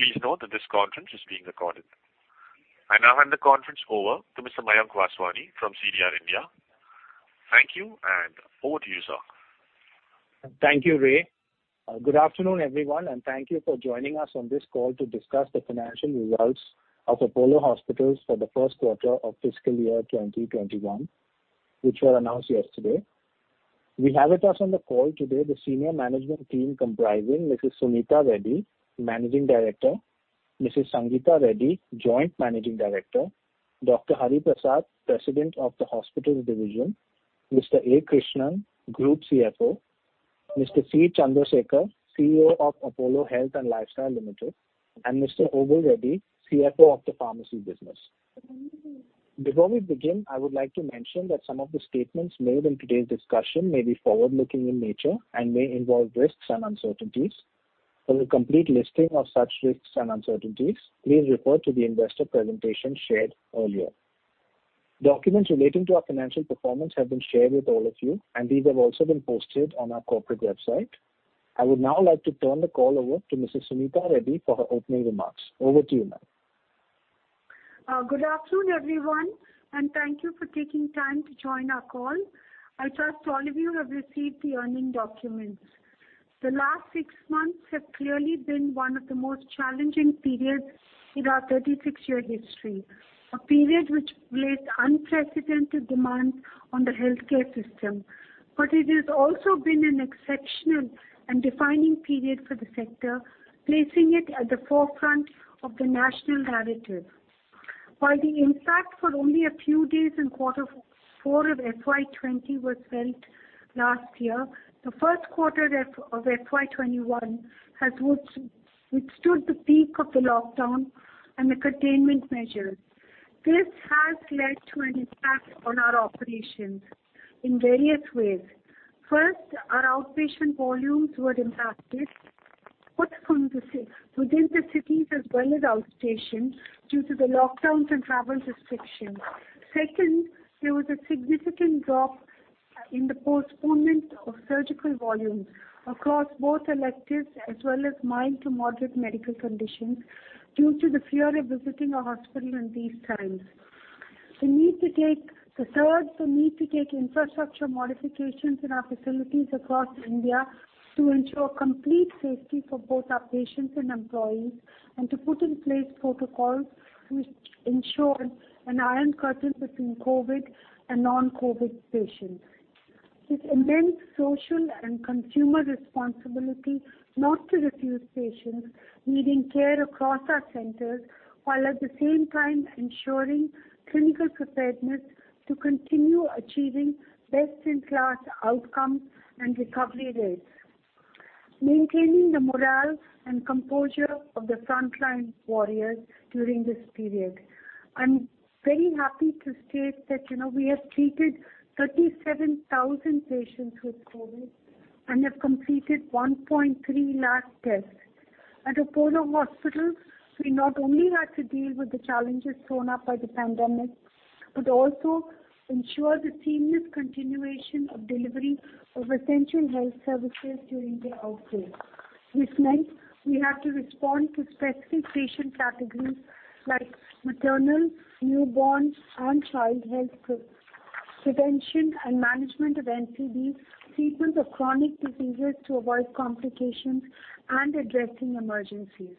Please note that this conference is being recorded. I now hand the conference over to Mr. Mayank Vaswani from CDR India. Thank you, and over to you, sir. Thank you, Ray. Good afternoon, everyone, and thank you for joining us on this call to discuss the financial results of Apollo Hospitals for the first quarter of fiscal year 2021, which were announced yesterday. We have with us on the call today the senior management team comprising Mrs. Suneeta Reddy, Managing Director, Mrs. Sangita Reddy, Joint Managing Director, Dr. Hariprasad, President of the Hospitals Division, Mr. A. Krishnan, Group CFO, Mr. C. Chandra Sekhar, CEO of Apollo Health and Lifestyle Limited, and Mr. Obul Reddy, CFO of the Pharmacy Business. Before we begin, I would like to mention that some of the statements made in today's discussion may be forward-looking in nature and may involve risks and uncertainties. For the complete listing of such risks and uncertainties, please refer to the investor presentation shared earlier. Documents relating to our financial performance have been shared with all of you, and these have also been posted on our corporate website. I would now like to turn the call over to Mrs. Suneeta Reddy for her opening remarks. Over to you, ma'am. Good afternoon, everyone, and thank you for taking time to join our call. I trust all of you have received the earning documents. The last six months have clearly been one of the most challenging periods in our 36-year history, a period which placed unprecedented demand on the healthcare system. It has also been an exceptional and defining period for the sector, placing it at the forefront of the national narrative. While the impact for only a few days in quarter four of FY 2020 was felt last year, the first quarter of FY 2021 has withstood the peak of the lockdown and the containment measures. This has led to an impact on our operations in various ways. First, our outpatient volumes were impacted, both within the cities as well as outstation, due to the lockdowns and travel restrictions. Second, there was a significant drop in the postponement of surgical volumes across both electives as well as mild to moderate medical conditions due to the fear of visiting a hospital in these times. The third, the need to take infrastructure modifications in our facilities across India to ensure complete safety for both our patients and employees, and to put in place protocols which ensure an iron curtain between COVID and non-COVID patients. This immense social and consumer responsibility, not to refuse patients needing care across our centers, while at the same time ensuring clinical preparedness to continue achieving best-in-class outcomes and recovery rates. Maintaining the morale and composure of the frontline warriors during this period. I'm very happy to state that we have treated 37,000 patients with COVID and have completed 1.3 lakh tests. At Apollo Hospitals, we not only had to deal with the challenges thrown up by the pandemic, but also ensure the seamless continuation of delivery of essential health services during the outbreak. This meant we had to respond to specific patient categories like maternal, newborn, and child health prevention and management of NCDs, treatment of chronic diseases to avoid complications, and addressing emergencies.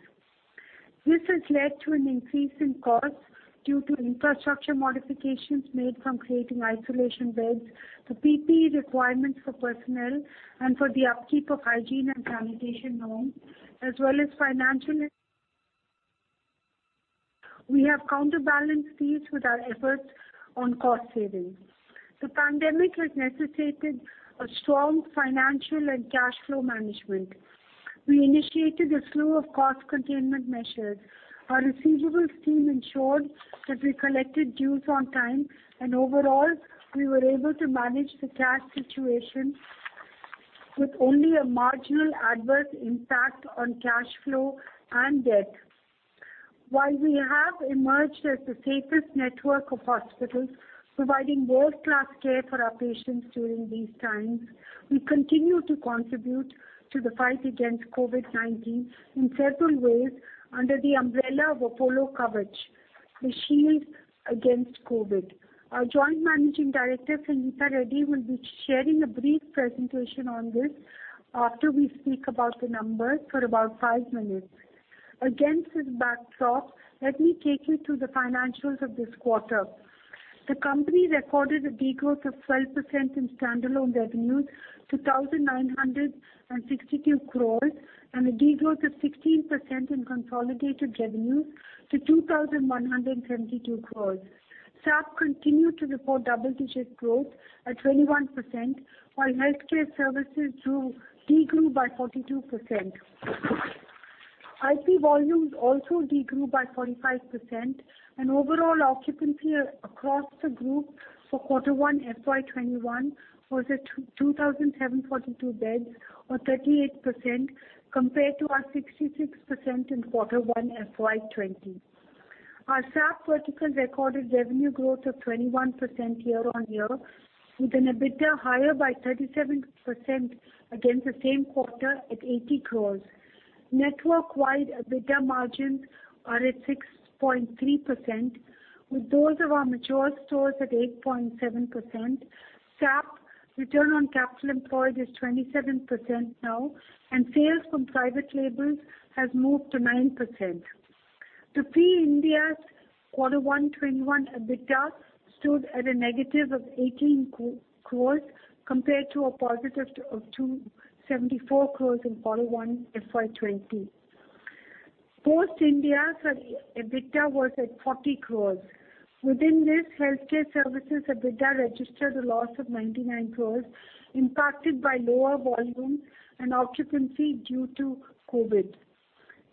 This has led to an increase in costs due to infrastructure modifications made from creating isolation beds, the PPE requirements for personnel, and for the upkeep of hygiene and sanitation norms, as well as financial. We have counterbalanced these with our efforts on cost savings. The pandemic has necessitated a strong financial and cash flow management. We initiated a slew of cost containment measures. Our receivables team ensured that we collected dues on time. Overall, we were able to manage the cash situation with only a marginal adverse impact on cash flow and debt. While we have emerged as the safest network of hospitals providing world-class care for our patients during these times, we continue to contribute to the fight against COVID-19 in several ways under the umbrella of Apollo Kavach, the shield against COVID. Our joint Managing Director, Sangita Reddy, will be sharing a brief presentation on this after we speak about the numbers for about five minutes. Against this backdrop, let me take you through the financials of this quarter. The company recorded a decline of 12% in standalone revenue to 1,962 crores and a decline of 16% in consolidated revenue to 2,172 crores. SAP continued to report double-digit growth at 21%, while healthcare services declined by 42%. IP volumes also declined by 45%, and overall occupancy across the group for quarter one FY 2021 was at 2,742 beds, or 38%, compared to our 66% in quarter one FY 2020. Our SAP verticals recorded revenue growth of 21% year-on-year, with an EBITDA higher by 37% against the same quarter at 80 crore. Network-wide EBITDA margins are at 6.3%, with those of our mature stores at 8.7%. SAP return on capital employed is 27% now, and sales from private labels has moved to 9%. The pre-Ind AS Q1 FY 2021 EBITDA stood at a negative of 18 crore, compared to a positive of 274 crore in Q1 FY 2020. Post-Ind AS EBITDA was at 40 crore. Within this, healthcare services EBITDA registered a loss of 99 crore, impacted by lower volume and occupancy due to COVID-19.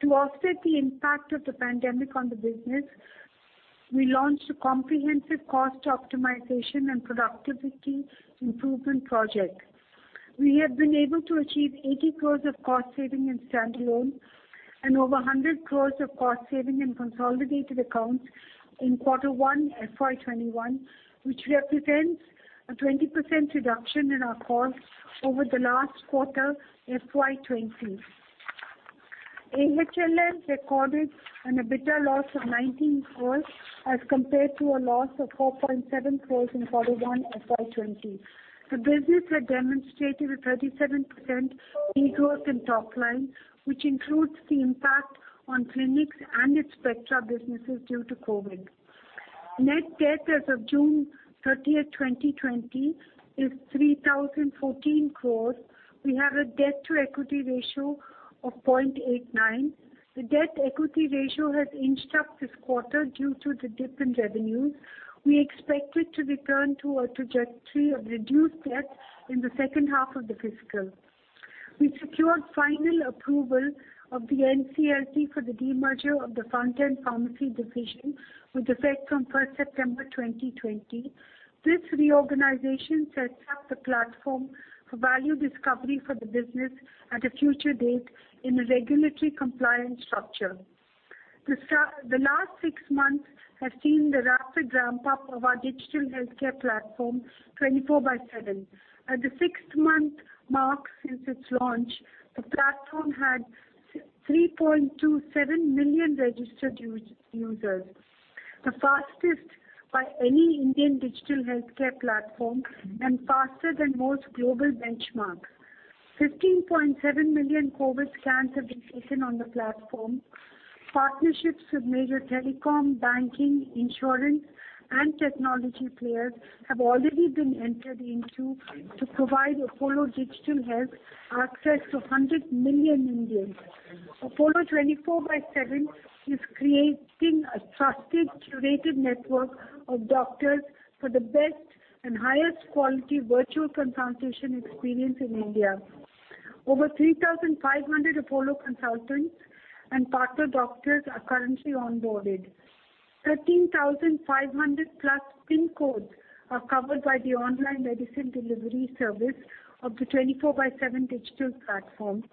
To offset the impact of the pandemic on the business, we launched a comprehensive cost optimization and productivity improvement project. We have been able to achieve 80 crores of cost saving in standalone, and over 100 crores of cost saving in consolidated accounts in Q1 FY 2021, which represents a 20% reduction in our costs over the last quarter FY 2020. AHLL recorded an EBITDA loss of 19 crores as compared to a loss of 4.7 crores in Q1 FY 2020. The business had demonstrated a 37% de-growth in top line, which includes the impact on clinics and its Spectra businesses due to COVID. Net debt as of June 30th, 2020, is 3,014 crores. We have a debt-to-equity ratio of 0.89. The debt-to-equity ratio has inched up this quarter due to the dip in revenues. We expect it to return to a trajectory of reduced debt in the second half of the fiscal. We've secured final approval of the NCLT for the demerger of the front-end pharmacy division with effect from 1st September 2020. This reorganization sets up the platform for value discovery for the business at a future date in a regulatory compliant structure. The last six months have seen the rapid ramp-up of our digital healthcare platform, Apollo 24/7. At the six-month mark since its launch, the platform had 3.27 million registered users, the fastest by any Indian digital healthcare platform and faster than most global benchmarks. 15.7 million COVID scans have been taken on the platform. Partnerships with major telecom, banking, insurance, and technology players have already been entered into to provide Apollo digital health access to 100 million Indians. Apollo 24/7 is creating a trusted, curated network of doctors for the best and highest quality virtual consultation experience in India. Over 3,500 Apollo consultants and partner doctors are currently onboarded. 13,500+ PIN codes are covered by the online medicine delivery service of the 24/7 digital platform.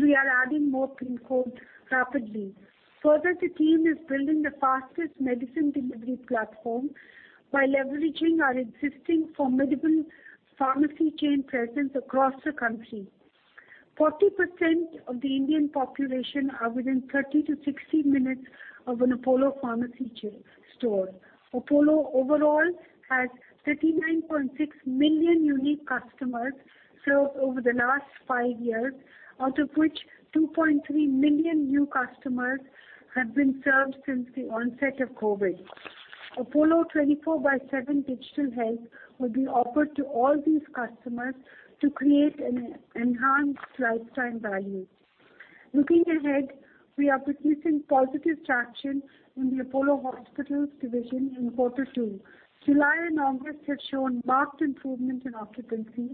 We are adding more PIN codes rapidly. Further, the team is building the fastest medicine delivery platform by leveraging our existing formidable pharmacy chain presence across the country. 40% of the Indian population are within 30-60 minutes of an Apollo Pharmacy store. Apollo overall has 39.6 million unique customers served over the last five years, out of which 2.3 million new customers have been served since the onset of COVID. Apollo 24/7 digital health will be offered to all these customers to create an enhanced lifetime value. Looking ahead, we are witnessing positive traction in the Apollo Hospitals division in Q2. July and August have shown marked improvement in occupancy.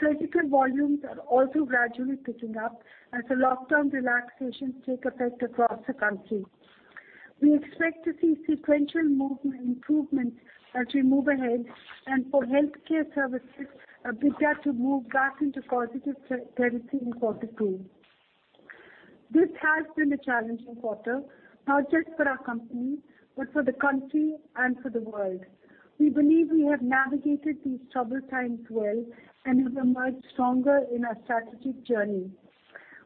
Surgical volumes are also gradually picking up as the lockdown relaxations take effect across the country. We expect to see sequential movement improvements as we move ahead. For healthcare services EBITDA to move back into positive territory in Q2. This has been a challenging quarter, not just for our company, but for the country and for the world. We believe we have navigated these troubled times well and have emerged stronger in our strategic journey.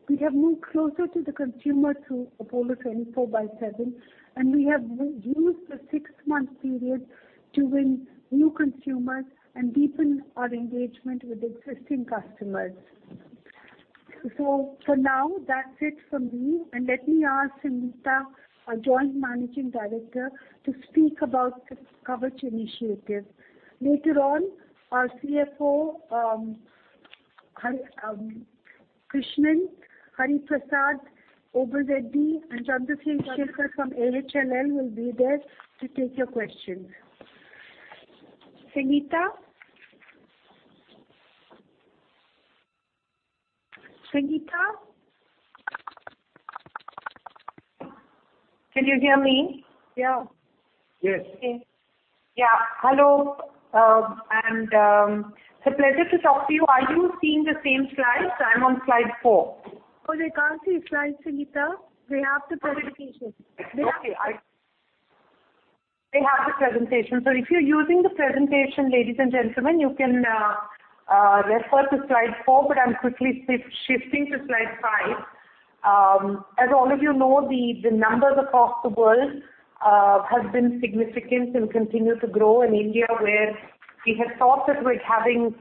We have moved closer to the consumer through Apollo 24/7, and we have used the six-month period to win new consumers and deepen our engagement with existing customers. For now, that's it from me. Let me ask Sangita, our Joint Managing Director, to speak about the Kavach initiative. Later, our CFO, Krishnan, Hari Prasad, Obul Reddy, and Chandra Sekhar from AHLL will be there to take your questions. Sangita? Can you hear me? Yeah. Yes. Yeah. Hello, and it's a pleasure to talk to you. Are you seeing the same slides? I'm on slide four. No, they can't see slides, Sangita. They have the presentation. Okay. They have the presentation. If you're using the presentation, ladies and gentlemen, you can refer to slide four, but I'm quickly shifting to slide five. As all of you know, the numbers across the world have been significant and continue to grow. In India, where we had thought that we're having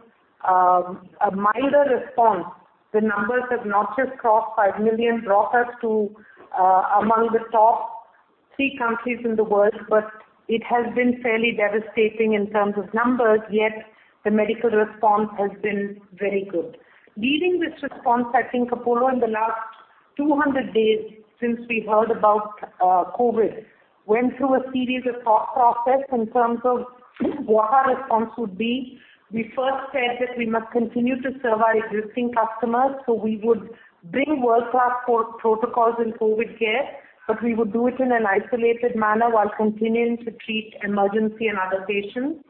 a milder response, the numbers have not just crossed 5 million, brought us to among the top three countries in the world, but it has been fairly devastating in terms of numbers, yet the medical response has been very good. Leading this response, I think Apollo, in the last 200 days since we heard about COVID, went through a serious thought process in terms of what our response would be. We first said that we must continue to serve our existing customers, so we would bring world-class protocols in COVID care, but we would do it in an isolated manner while continuing to treat emergency and other patients.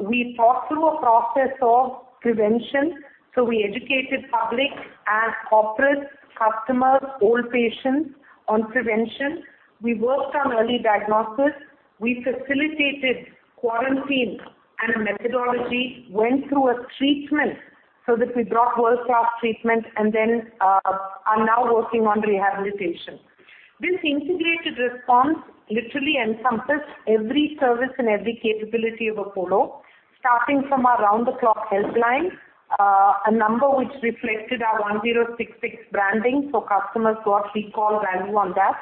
We thought through a process of prevention, so we educated public and corporate customers, old patients, on prevention. We worked on early diagnosis. We facilitated quarantine and a methodology, went through a treatment so that we brought world-class treatment, and then are now working on rehabilitation. This integrated response literally encompassed every service and every capability of Apollo, starting from our round-the-clock helpline, a number which reflected our 1066 branding, so customers got recall value on that.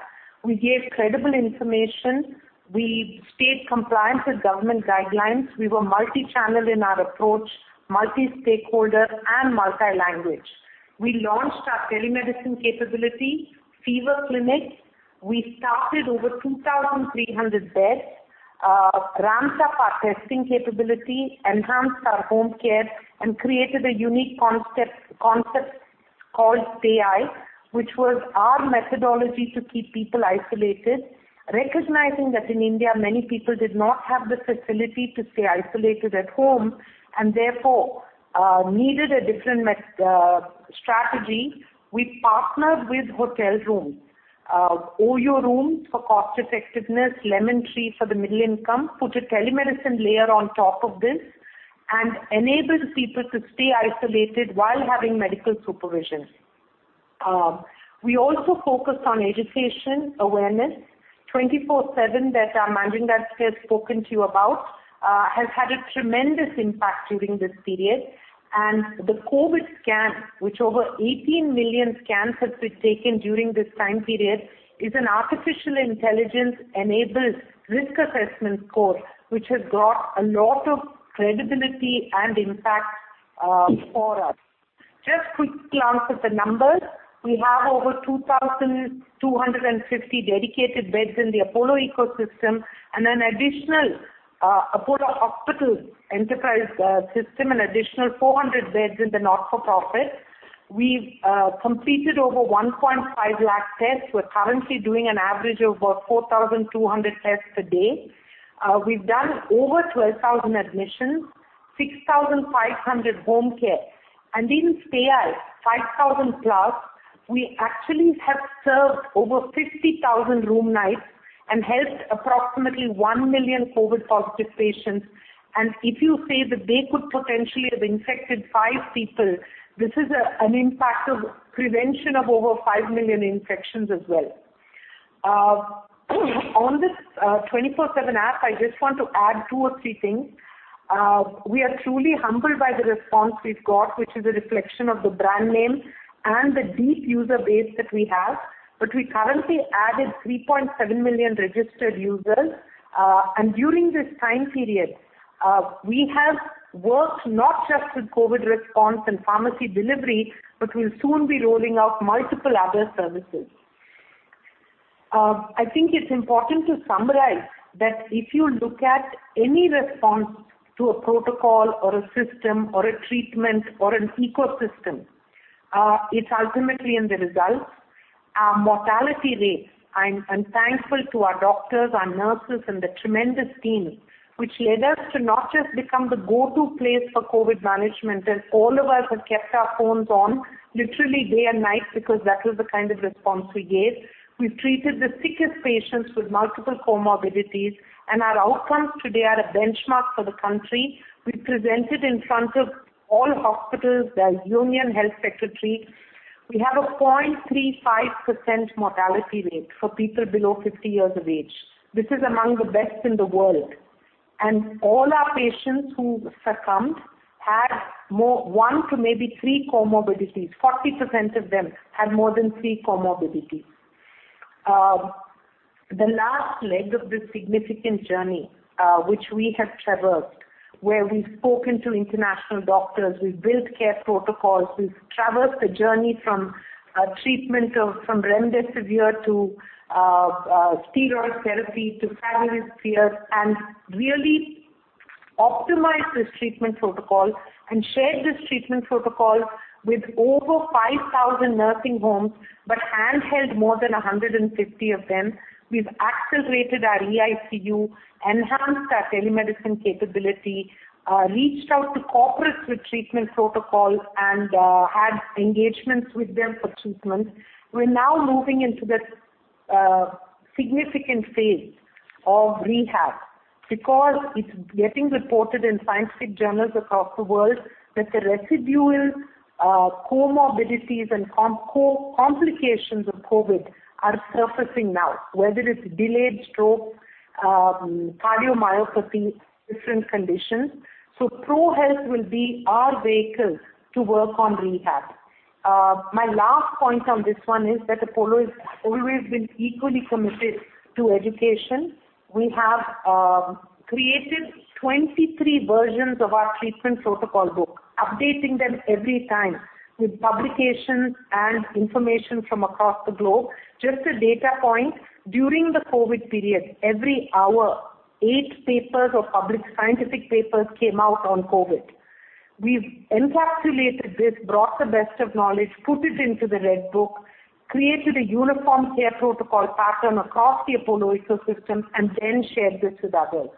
We gave credible information. We stayed compliant with government guidelines. We were multi-channel in our approach, multi-stakeholder, and multi-language. We launched our telemedicine capability, fever clinics. We started over 2,300 beds, ramped up our testing capability, enhanced our home care, and created a unique concept called Project Stay I, which was our methodology to keep people isolated. Recognizing that in India, many people did not have the facility to stay isolated at home and therefore needed a different strategy, we partnered with hotel rooms. OYO rooms for cost-effectiveness, Lemon Tree for the middle income, put a telemedicine layer on top of this, and enabled people to stay isolated while having medical supervision. We also focused on education awareness. Apollo 24/7, that our managing director has spoken to you about, has had a tremendous impact during this period. The COVID Scan, which over 18 million scans have been taken during this time period, is an artificial intelligence-enabled risk assessment score, which has got a lot of credibility and impact for us. Just quick glance at the numbers. We have over 2,250 dedicated beds in the Apollo ecosystem, and an additional Apollo Hospitals enterprise system, an additional 400 beds in the not-for-profit. We've completed over 1.5 lakh tests. We're currently doing an average of 4,200 tests a day. We've done over 12,000 admissions, 6,500 home care. In Stay I, 5,000+. We actually have served over 50,000 room nights and helped approximately 1 million COVID-positive patients. If you say that they could potentially have infected five people, this is an impact of prevention of over 5 million infections as well. On this 24/7 app, I just want to add two or three things. We are truly humbled by the response we've got, which is a reflection of the brand name and the deep user base that we have. We currently added 3.7 million registered users. During this time period, we have worked not just with COVID response and pharmacy delivery, but we'll soon be rolling out multiple other services. I think it's important to summarize that if you look at any response to a protocol or a system or a treatment or an ecosystem, it's ultimately in the results. Our mortality rates, I'm thankful to our doctors, our nurses, and the tremendous team, which led us to not just become the go-to place for COVID management, as all of us have kept our phones on literally day and night because that was the kind of response we gave. We've treated the sickest patients with multiple comorbidities, and our outcomes today are a benchmark for the country. We presented in front of all hospitals, the union health secretary. We have a 0.35% mortality rate for people below 50 years of age. This is among the best in the world. All our patients who succumbed had one to maybe three comorbidities. 40% of them had more than three comorbidities. The last leg of this significant journey, which we have traversed, where we've spoken to international doctors, we've built care protocols. We've traversed the journey from treatment from remdesivir to steroid therapy to favipiravir, and really optimized this treatment protocol and shared this treatment protocol with over 5,000 nursing homes, but handheld more than 150 of them. We've accelerated our eICU, enhanced our telemedicine capability, reached out to corporates with treatment protocols and had engagements with them for treatment. We're now moving into this significant phase of rehab because it's getting reported in scientific journals across the world that the residual comorbidities and complications of COVID are surfacing now, whether it's delayed stroke, cardiomyopathy, different conditions. Apollo ProHealth will be our vehicle to work on rehab. My last point on this one is that Apollo Hospitals has always been equally committed to education. We have created 23 versions of our treatment protocol book, updating them every time with publications and information from across the globe. Just a data point. During the COVID-19 period, every hour, eight papers or published scientific papers came out on COVID-19. We've encapsulated this, brought the best of knowledge, put it into the COVID-19 Red Book, created a uniform care protocol pattern across the Apollo Hospitals ecosystem, and then shared this with others.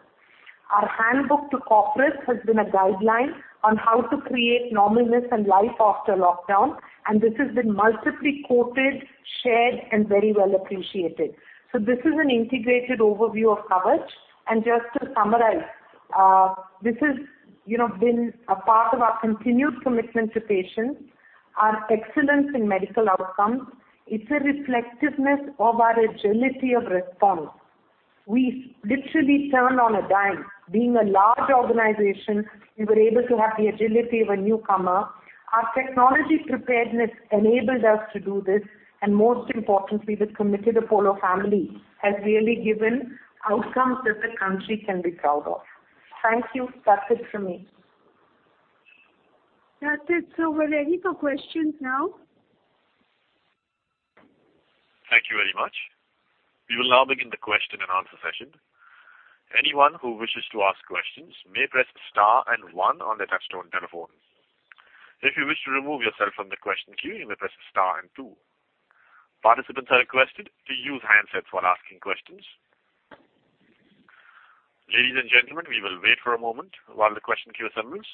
Our handbook to corporates has been a guideline on how to create normalness and life after lockdown, and this has been multiply quoted, shared, and very well appreciated. This is an integrated overview of Project Kavach. Just to summarize, this has been a part of our continued commitment to patients, our excellence in medical outcomes. It's a reflectiveness of our agility of response. We literally turned on a dime. Being a large organization, we were able to have the agility of a newcomer. Our technology preparedness enabled us to do this, and most importantly, this committed Apollo family has really given outcomes that the country can be proud of. Thank you. That's it from me. That's it. We're ready for questions now. Thank you very much. We will now begin the question-and-answer session. Anyone who wishes to ask questions may press star and one on their touch-tone telephone. If you wish to remove yourself from the question queue, you may press star and two. Participants are requested to use handsets while asking questions. Ladies and gentlemen, we will wait for a moment while the question queue assembles.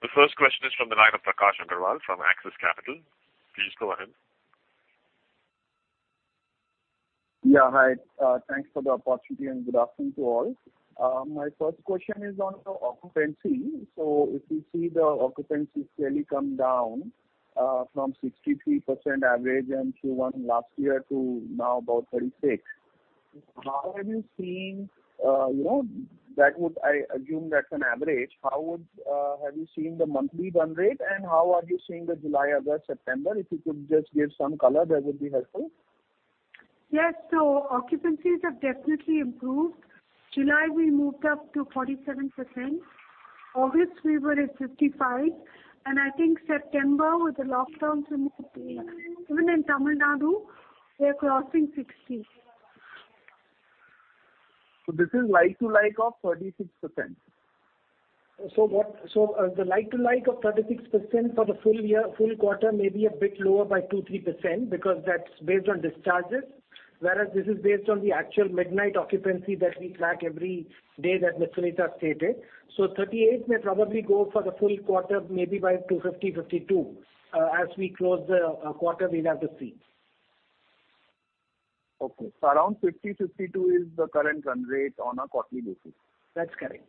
The first question is from the line of Prakash Agarwal from Axis Capital. Please go ahead. Yeah, hi. Thanks for the opportunity and good afternoon to all. My first question is on the occupancy. If you see the occupancy clearly come down from 63% average in Q1 last year to now about 36%. I assume that's an average. How have you seen the monthly run rate and how are you seeing the July, August, September? If you could just give some color, that would be helpful. Yes. Occupancies have definitely improved. July, we moved up to 47%. August, we were at 55%. I think September with the lockdowns in even in Tamil Nadu, we're crossing 60%. This is like to like of 36%. The like to like of 36% for the full quarter may be a bit lower by 2%-3%, because that's based on discharges, whereas this is based on the actual midnight occupancy that we track every day that Ms. Suneeta stated. So 38% may probably go for the full quarter, maybe by 50%-52%. As we close the quarter, we'll have to see. Okay. Around 50%, 52% is the current run rate on a quarterly basis? That's correct.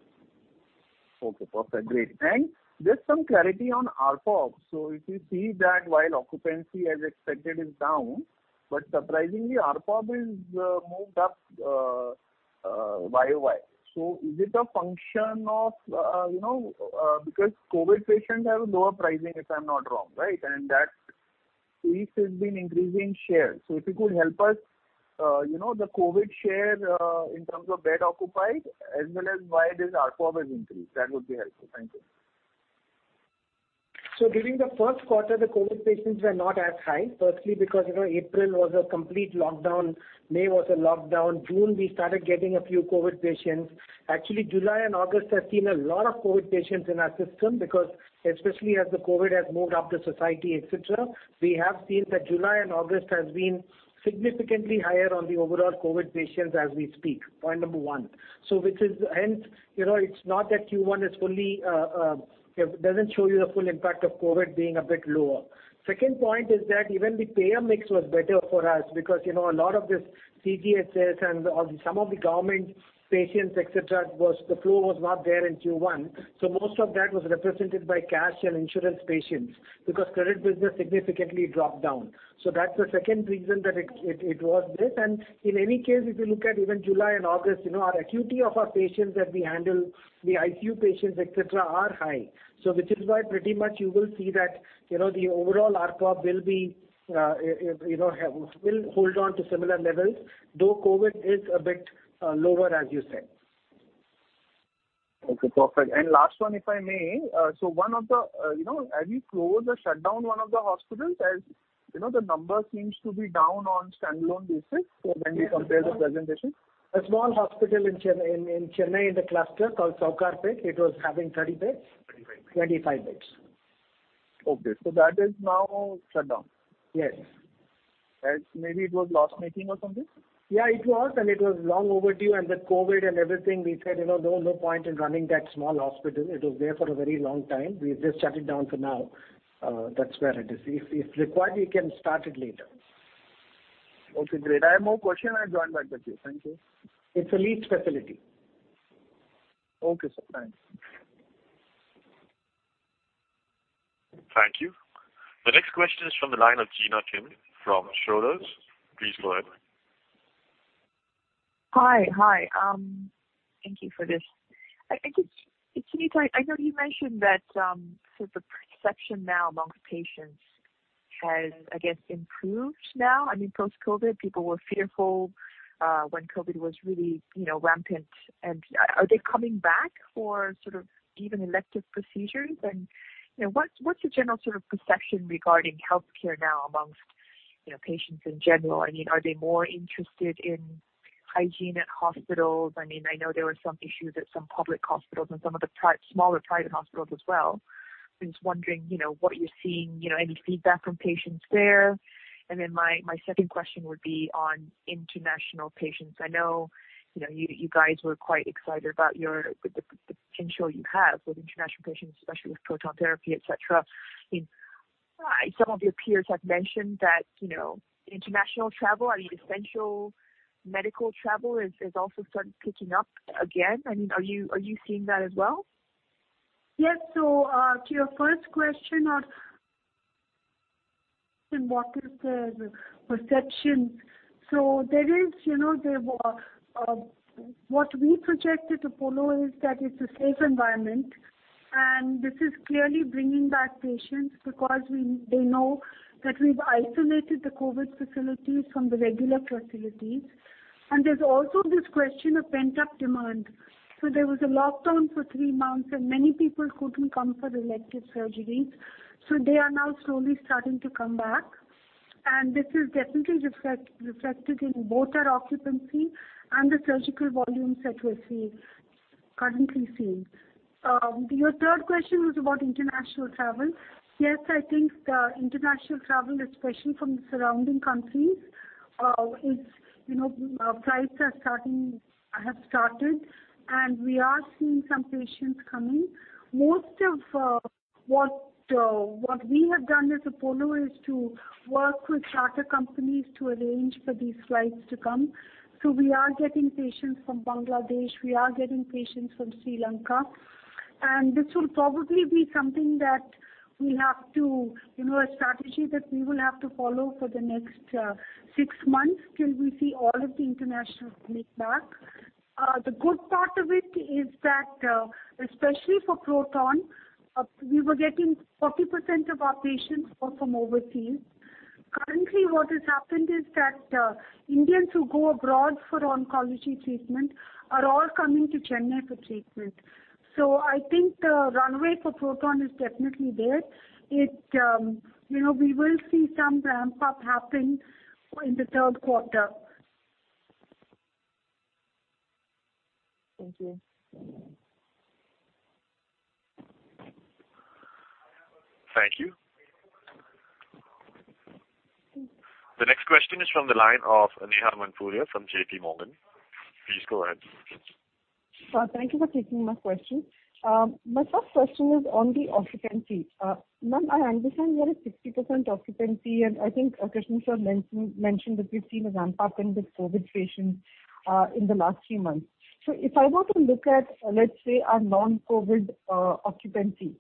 Okay, perfect. Great. Just some clarity on ARPOB. If you see that while occupancy as expected is down, surprisingly ARPOB is moved up YoY. Is it a function of Because COVID patients have lower pricing, if I'm not wrong, right? That piece has been increasing share. If you could help us, the COVID share, in terms of bed occupied as well as why this ARPOB has increased, that would be helpful. Thank you. During the first quarter, the COVID patients were not as high. Because April was a complete lockdown. May was a lockdown. June we started getting a few COVID patients. Actually, July and August has seen a lot of COVID patients in our system because especially as the COVID has moved up the society, et cetera, we have seen that July and August has been significantly higher on the overall COVID patients as we speak. Point number one. Hence, it's not that Q1 doesn't show you the full impact of COVID being a bit lower. Second point is that even the payer mix was better for us because a lot of this CGHS and some of the government patients, et cetera, the flow was not there in Q1. Most of that was represented by cash and insurance patients because credit business significantly dropped down. That's the second reason that it was this. In any case, if you look at even July and August, our acuity of our patients that we handle, the ICU patients, et cetera, are high. Which is why pretty much you will see that the overall ARPOB will hold on to similar levels, though COVID is a bit lower, as you said. Okay, perfect. Last one, if I may. Have you closed or shut down one of the hospitals, as the number seems to be down on standalone basis when we compare the presentation. A small hospital in Chennai in the cluster called Sowcarpet. It was having 30 beds. 25 beds. 25 beds. Okay. That is now shut down. Yes. Maybe it was loss-making or something? Yeah, it was, it was long overdue. With COVID and everything, we said there was no point in running that small hospital. It was there for a very long time. We've just shut it down for now. That's where it is. If required, we can start it later. Okay, great. I have more question, I'll join back with you. Thank you. It's a leased facility. Okay, sir. Thanks. Thank you. The next question is from the line of Gina Kim from Schroders. Please go ahead. Hi. Thank you for this. I know you mentioned that, sort of perception now amongst patients has, I guess, improved now. I mean, post-COVID, people were fearful when COVID was really rampant. Are they coming back for sort of even elective procedures and what's the general sort of perception regarding healthcare now amongst patients in general? I mean, are they more interested in hygiene at hospitals? I mean, I know there were some issues at some public hospitals and some of the smaller private hospitals as well. I was wondering what you're seeing, any feedback from patients there. My second question would be on international patients. I know you guys were quite excited about the potential you have with international patients, especially with proton therapy, et cetera. Some of your peers have mentioned that international travel, I mean, essential medical travel has also started picking up again. Are you seeing that as well? Yes. To your first question on what is the perception. What we projected Apollo is that it's a safe environment, and this is clearly bringing back patients because they know that we've isolated the COVID facilities from the regular facilities. There's also this question of pent-up demand. There was a lockdown for three months, and many people couldn't come for elective surgeries, so they are now slowly starting to come back. This is definitely reflected in both our occupancy and the surgical volumes that we're currently seeing. Your third question was about international travel. Yes, I think the international travel, especially from the surrounding countries, flights have started, and we are seeing some patients coming. Most of what we have done as Apollo is to work with charter companies to arrange for these flights to come. We are getting patients from Bangladesh, we are getting patients from Sri Lanka, and this will probably be something that we have to, a strategy that we will have to follow for the next six months till we see all of the internationals come back. The good part of it is that especially for proton, we were getting 40% of our patients were from overseas. Currently, what has happened is that Indians who go abroad for oncology treatment are all coming to Chennai for treatment. I think the runway for proton is definitely there. We will see some ramp-up happen in the third quarter. Thank you. Thank you. The next question is from the line of Neha Manpuria from JPMorgan. Please go ahead. Thank you for taking my question. My first question is on the occupancy. Ma'am, I understand you are at 60% occupancy, and I think Krishnan sir mentioned that we've seen a ramp-up in the COVID patients in the last few months. If I were to look at, let's say, our non-COVID occupancy,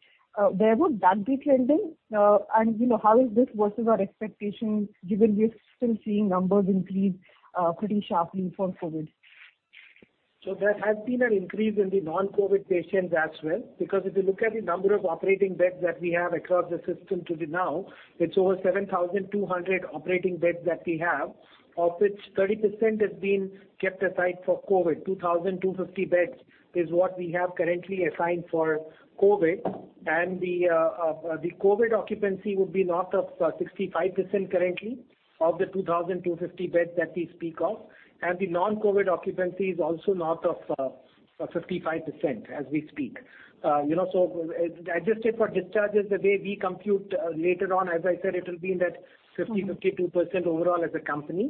where would that be trending? How is this versus our expectation given we are still seeing numbers increase pretty sharply for COVID? There has been an increase in the non-COVID patients as well, because if you look at the number of operating beds that we have across the system today now, it's over 7,200 operating beds that we have, of which 30% has been kept aside for COVID. 2,250 beds is what we have currently assigned for COVID. The COVID occupancy would be north of 65% currently of the 2,250 beds that we speak of. The non-COVID occupancy is also north of 55% as we speak. Adjusted for discharges, the way we compute later on, as I said, it will be in that 50%, 52% overall as a company.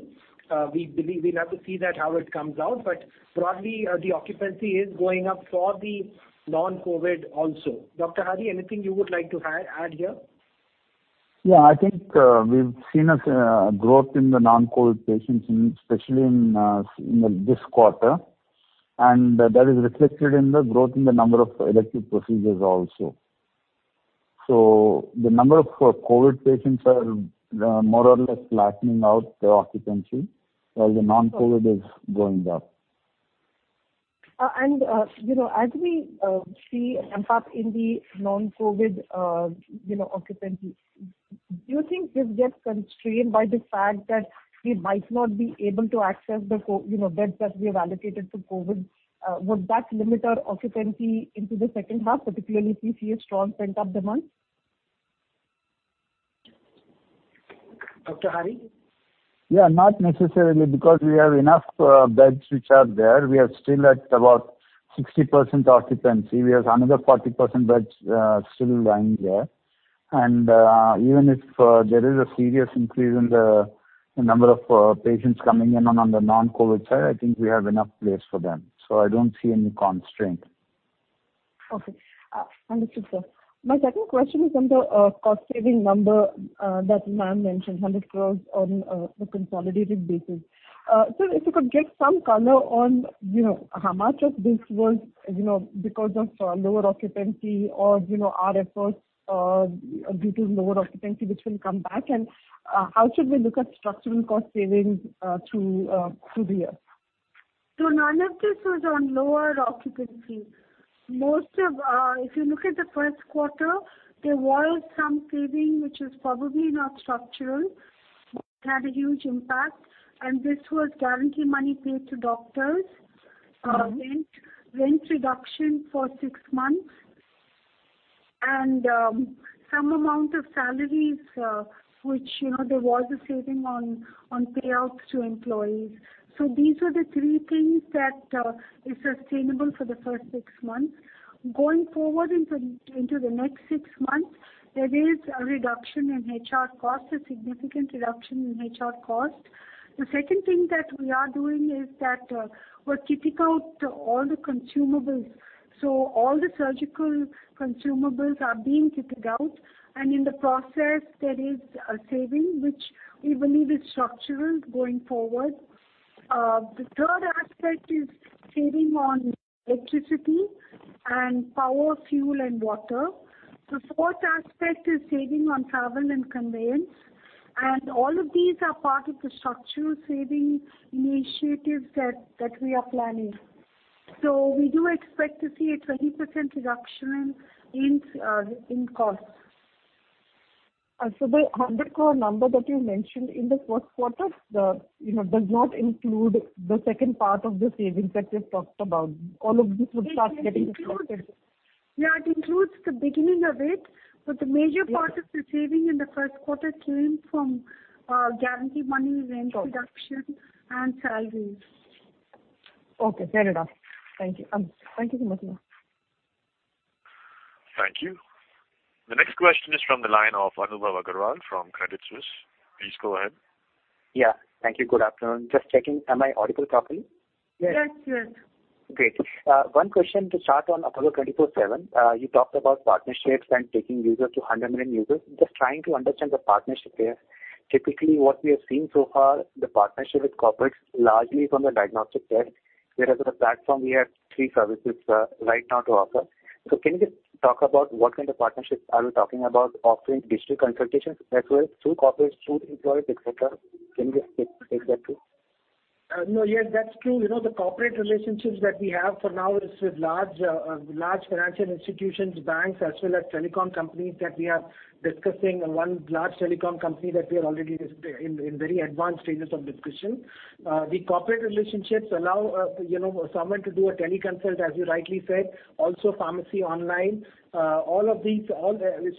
We'll have to see how it comes out, but broadly, the occupancy is going up for the non-COVID also. Dr. Hari, anything you would like to add here? Yeah, I think we've seen a growth in the non-COVID patients, especially in this quarter, that is reflected in the growth in the number of elective procedures also. The number of COVID patients are more or less flattening out the occupancy, while the non-COVID is going up. As we see a ramp-up in the non-COVID occupancy. Do you think this gets constrained by the fact that we might not be able to access the beds that we have allocated to COVID? Would that limit our occupancy into the second half, particularly if we see a strong pent-up demand? Dr. Hari? Yeah, not necessarily, because we have enough beds which are there. We are still at about 60% occupancy. We have another 40% beds still lying there. Even if there is a serious increase in the number of patients coming in on the non-COVID side, I think we have enough place for them. I don't see any constraint. Okay. Understood, sir. My second question is on the cost-saving number that ma'am mentioned, 100 crores on the consolidated basis. Sir, if you could give some color on how much of this was because of lower occupancy or our efforts due to lower occupancy, which will come back, and how should we look at structural cost savings through the year? None of this was on lower occupancy. If you look at the first quarter, there was some saving, which is probably not structural, had a huge impact, and this was guarantee money paid to doctors, rent reduction for six months, and some amount of salaries, which there was a saving on payouts to employees. These are the three things that is sustainable for the first six months. Going forward into the next six months, there is a reduction in HR costs, a significant reduction in HR costs. The second thing that we are doing is that we're keeping out all the consumables. All the surgical consumables are being kicked out, and in the process, there is a saving, which we believe is structural going forward. The third aspect is saving on electricity and power, fuel, and water. The fourth aspect is saving on travel and conveyance. All of these are part of the structural saving initiatives that we are planning. We do expect to see a 20% reduction in costs. The 100 crore number that you mentioned in the first quarter does not include the second part of the savings that you've talked about. All of this would start getting reflected. Yeah, it includes the beginning of it, but the major part of the saving in the first quarter came from guarantee money, rent reduction, and salaries. Okay, fair enough. Thank you. Thank you so much, ma'am. Thank you. The next question is from the line of Anubhav Agarwal from Credit Suisse. Please go ahead. Yeah. Thank you. Good afternoon. Just checking, am I audible properly? Yes. Yes. Great. One question to start on Apollo 24/7. You talked about partnerships and taking users to 100 million users. Just trying to understand the partnership there. Typically, what we have seen so far, the partnership with corporates largely is on the diagnostic test. Whereas as a platform, we have three services right now to offer. Can you just talk about what kind of partnerships are we talking about offering digital consultations as well through corporates, through employers, et cetera? Can you just take that too? No. Yeah, that's true. The corporate relationships that we have for now is with large financial institutions, banks, as well as telecom companies that we are discussing, and one large telecom company that we are already in very advanced stages of discussion. The corporate relationships allow someone to do a teleconsult, as you rightly said, also pharmacy online. All of these.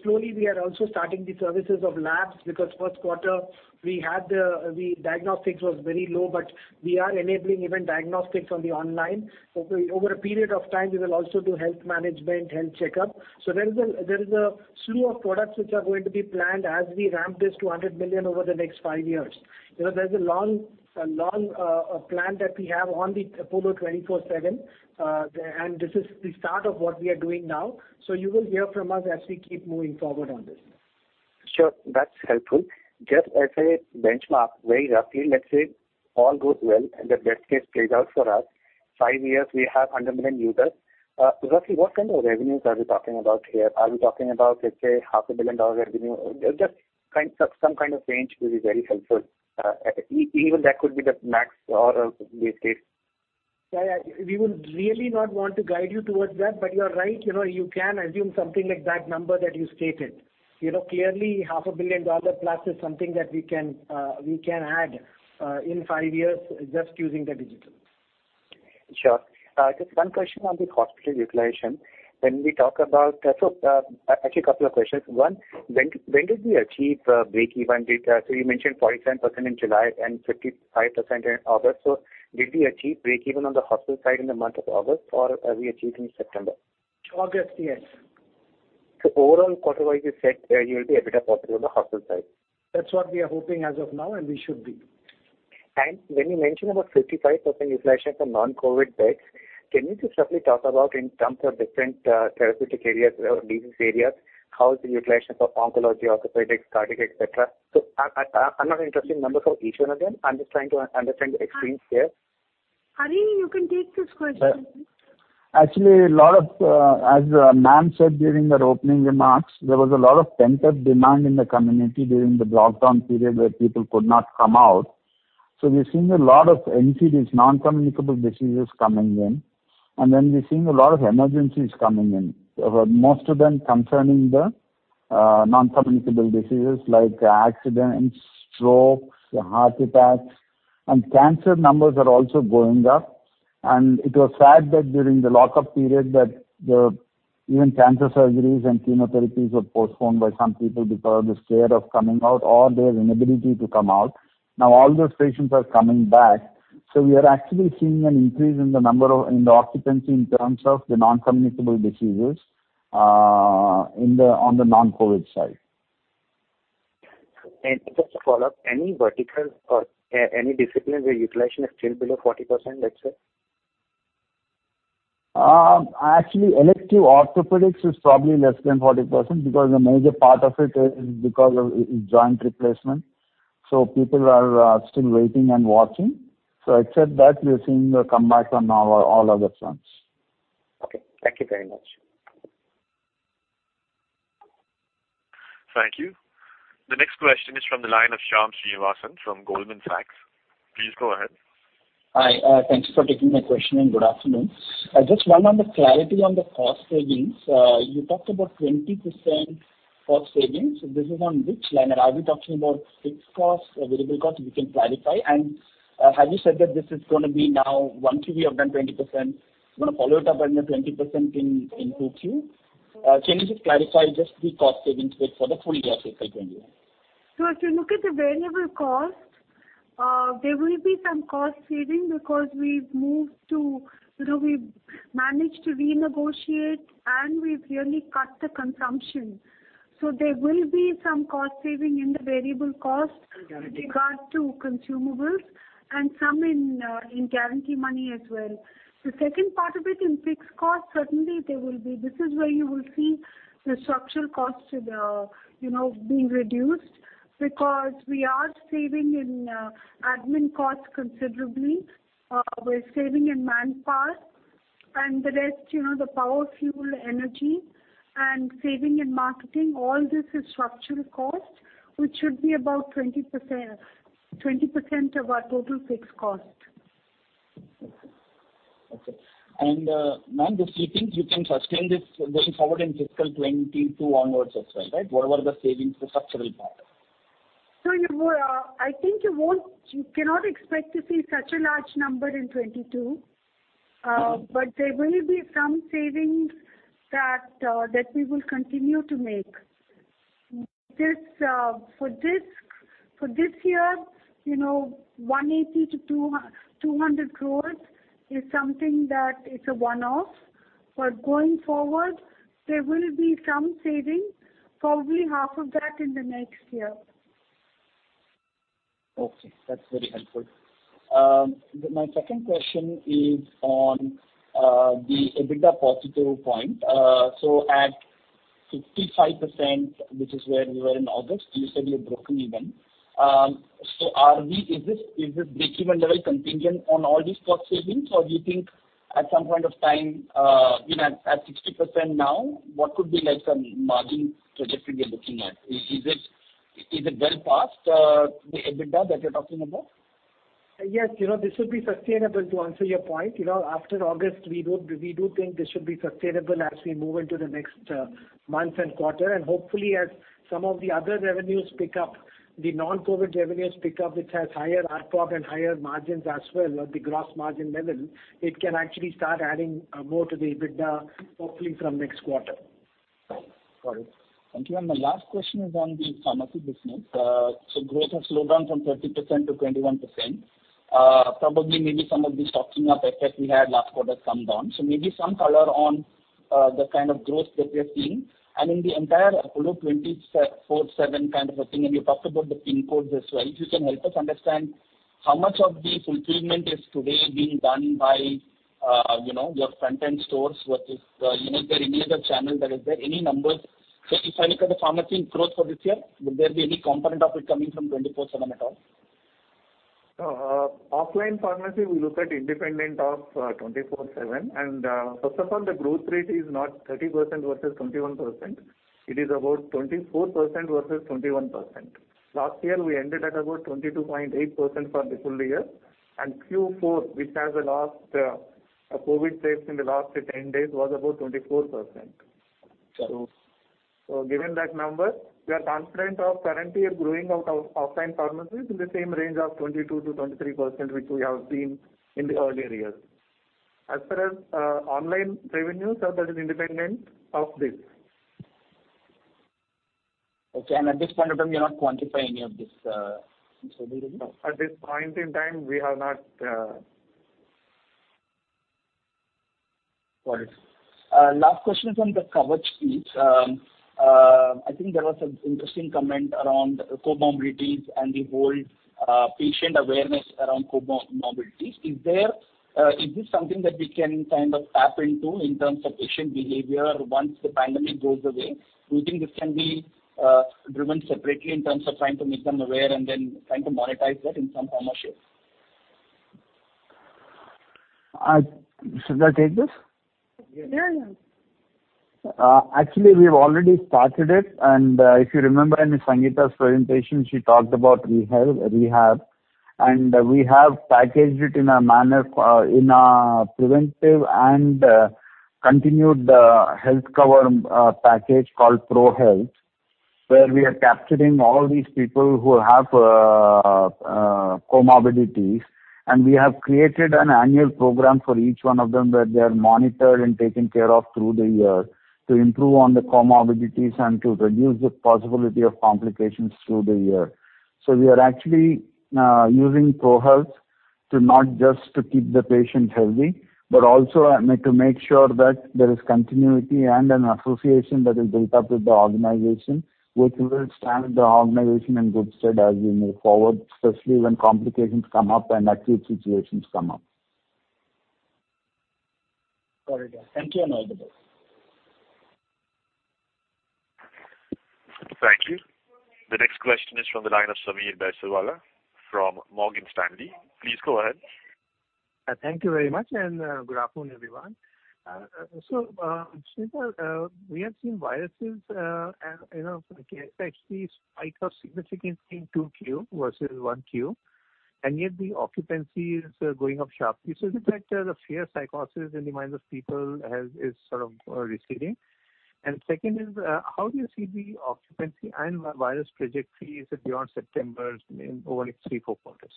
Slowly, we are also starting the services of labs, because first quarter, diagnostics was very low, but we are enabling even diagnostics on the online. Over a period of time, we will also do health management, health checkup. There is a slew of products which are going to be planned as we ramp this to 100 million over the next five years. There's a long plan that we have on the Apollo 24/7, and this is the start of what we are doing now. You will hear from us as we keep moving forward on this. Sure. That's helpful. Just as a benchmark, very roughly, let's say all goes well and the best case plays out for us. Five years, we have 100 million users. Roughly, what kind of revenues are we talking about here? Are we talking about, let's say, half a billion dollar revenue? Just some kind of range will be very helpful. Even that could be the max or a base case. We would really not want to guide you towards that, but you are right. You can assume something like that number that you stated. Half a billion dollar plus is something that we can add in five years just using the digital. Sure. Just one question on the hospital utilization. Actually, a couple of questions. One, when did we achieve breakeven? You mentioned 47% in July and 55% in August. Did we achieve breakeven on the hospital side in the month of August, or have we achieved in September? August, yes. Overall, quarter-wise, you said you'll be a bit of positive on the hospital side. That's what we are hoping as of now, and we should be. When you mentioned about 55% utilization for non-COVID beds, can you just roughly talk about in terms of different therapeutic areas or disease areas, how is the utilization for oncology, orthopedics, cardiac, et cetera? I'm not interested in numbers for each one of them. I'm just trying to understand the extremes here. Hari, you can take this question. Actually, as ma'am said during her opening remarks, there was a lot of pent-up demand in the community during the lockdown period where people could not come out. We are seeing a lot of NCDs, non-communicable diseases, coming in, and then we are seeing a lot of emergencies coming in. Most of them concerning the non-communicable diseases like accidents, strokes, heart attacks, and cancer numbers are also going up. It was sad that during the lockup period, even cancer surgeries and chemotherapies were postponed by some people because of the scare of coming out or their inability to come out. Now all those patients are coming back. We are actually seeing an increase in the occupancy in terms of the non-communicable diseases on the non-COVID side. Just to follow up, any vertical or any discipline where utilization is still below 40%, let's say? Actually, elective orthopedics is probably less than 40% because a major part of it is because of joint replacement. People are still waiting and watching. Except that, we are seeing a comeback from now on all other fronts. Okay. Thank you very much. Thank you. The next question is from the line of Shyam Srinivasan from Goldman Sachs. Please go ahead. Hi. Thank you for taking my question, good afternoon. Just one on the clarity on the cost savings. You talked about 20% cost savings. This is on which line? Are we talking about fixed cost, variable cost? If you can clarify. Have you said that this is going to be now once we have done 20%, we are going to follow it up another 20% in 2Q? Can you just clarify just the cost savings bit for the full year, if I join you? If you look at the variable cost, there will be some cost saving because we managed to renegotiate, and we've really cut the consumption. So there will be some cost saving in the variable cost with regard to consumables and some in guarantee money as well. The second part of it, in fixed cost, certainly there will be. This is where you will see the structural costs being reduced because we are saving in admin costs considerably. We are saving in manpower and the rest, the power, fuel, energy and saving in marketing. All this is structural cost, which should be about 20% of our total fixed cost. Okay. Ma'am, do you think you can sustain this going forward in fiscal 2022 onwards as well, right? Whatever the savings, the structural part. I think you cannot expect to see such a large number in 2022. There will be some savings that we will continue to make. For this year, 180 crore-200 crore is something that is a one-off. Going forward, there will be some savings, probably half of that in the next year. That's very helpful. My second question is on the EBITDA positive point. At 55%, which is where we were in August, you said you have broken even. Is this breakeven level contingent on all these cost savings? Do you think at some point of time, at 60% now, what could be some margin trajectory you're looking at? Is it well past the EBITDA that you're talking about? Yes, this will be sustainable to answer your point. After August, we do think this should be sustainable as we move into the next month and quarter, and hopefully as some of the other revenues pick up, the non-COVID revenues pick up, which has higher ARPOB and higher margins as well at the gross margin level. It can actually start adding more to the EBITDA, hopefully from next quarter. Got it. Thank you. My last question is on the pharmacy business. Growth has slowed down from 30% to 21%. Probably, maybe some of the stocking up effect we had last quarter has come down. Maybe some color on the kind of growth that you're seeing. In the entire Apollo 24/7 kind of a thing, and you talked about the pin codes as well. If you can help us understand how much of the fulfillment is today being done by your front-end stores versus the remainder channels that is there, any numbers. If I look at the pharmacy growth for this year, would there be any component of it coming from 24/7 at all? Offline pharmacy, we look at independent of 24/7. First of all, the growth rate is not 30% versus 21%. It is about 24% versus 21%. Last year we ended at about 22.8% for the full year. Q4, which has a last COVID case in the last 10 days, was about 24%. Got it. Given that number, we are confident of currently growing our offline pharmacies in the same range of 22%-23%, which we have seen in the earlier years. As far as online revenues, sir, that is independent of this. Okay. At this point of time, you're not quantifying any of this contribution? At this point in time, we have not. Got it. Last question is on the Kavach piece. I think there was an interesting comment around comorbidities and the whole patient awareness around comorbidities. Is this something that we can kind of tap into in terms of patient behavior once the pandemic goes away? Do you think this can be driven separately in terms of trying to make them aware and then trying to monetize that in some form or shape? Should I take this? Yeah. Actually, we've already started it. If you remember in Suneeta's presentation, she talked about rehab. We have packaged it in a preventive and continued health cover package called ProHealth, where we are capturing all these people who have comorbidities, and we have created an annual program for each one of them where they are monitored and taken care of through the year to improve on the comorbidities and to reduce the possibility of complications through the year. We are actually using Apollo ProHealth to not just to keep the patient healthy, but also to make sure that there is continuity and an association that is built up with the organization, which will stand the organization in good stead as we move forward, especially when complications come up and acute situations come up. Got it. Thank you, and all the best. Thank you. The next question is from the line of Sameer Baisiwala from Morgan Stanley. Please go ahead. Thank you very much, and good afternoon, everyone. So, we have seen viruses actually spike up significantly in Q2 versus Q1, and yet the occupancy is going up sharply. It looks like the fear psychosis in the minds of people is sort of receding. Second is, how do you see the occupancy and virus trajectory beyond September over next three, four quarters?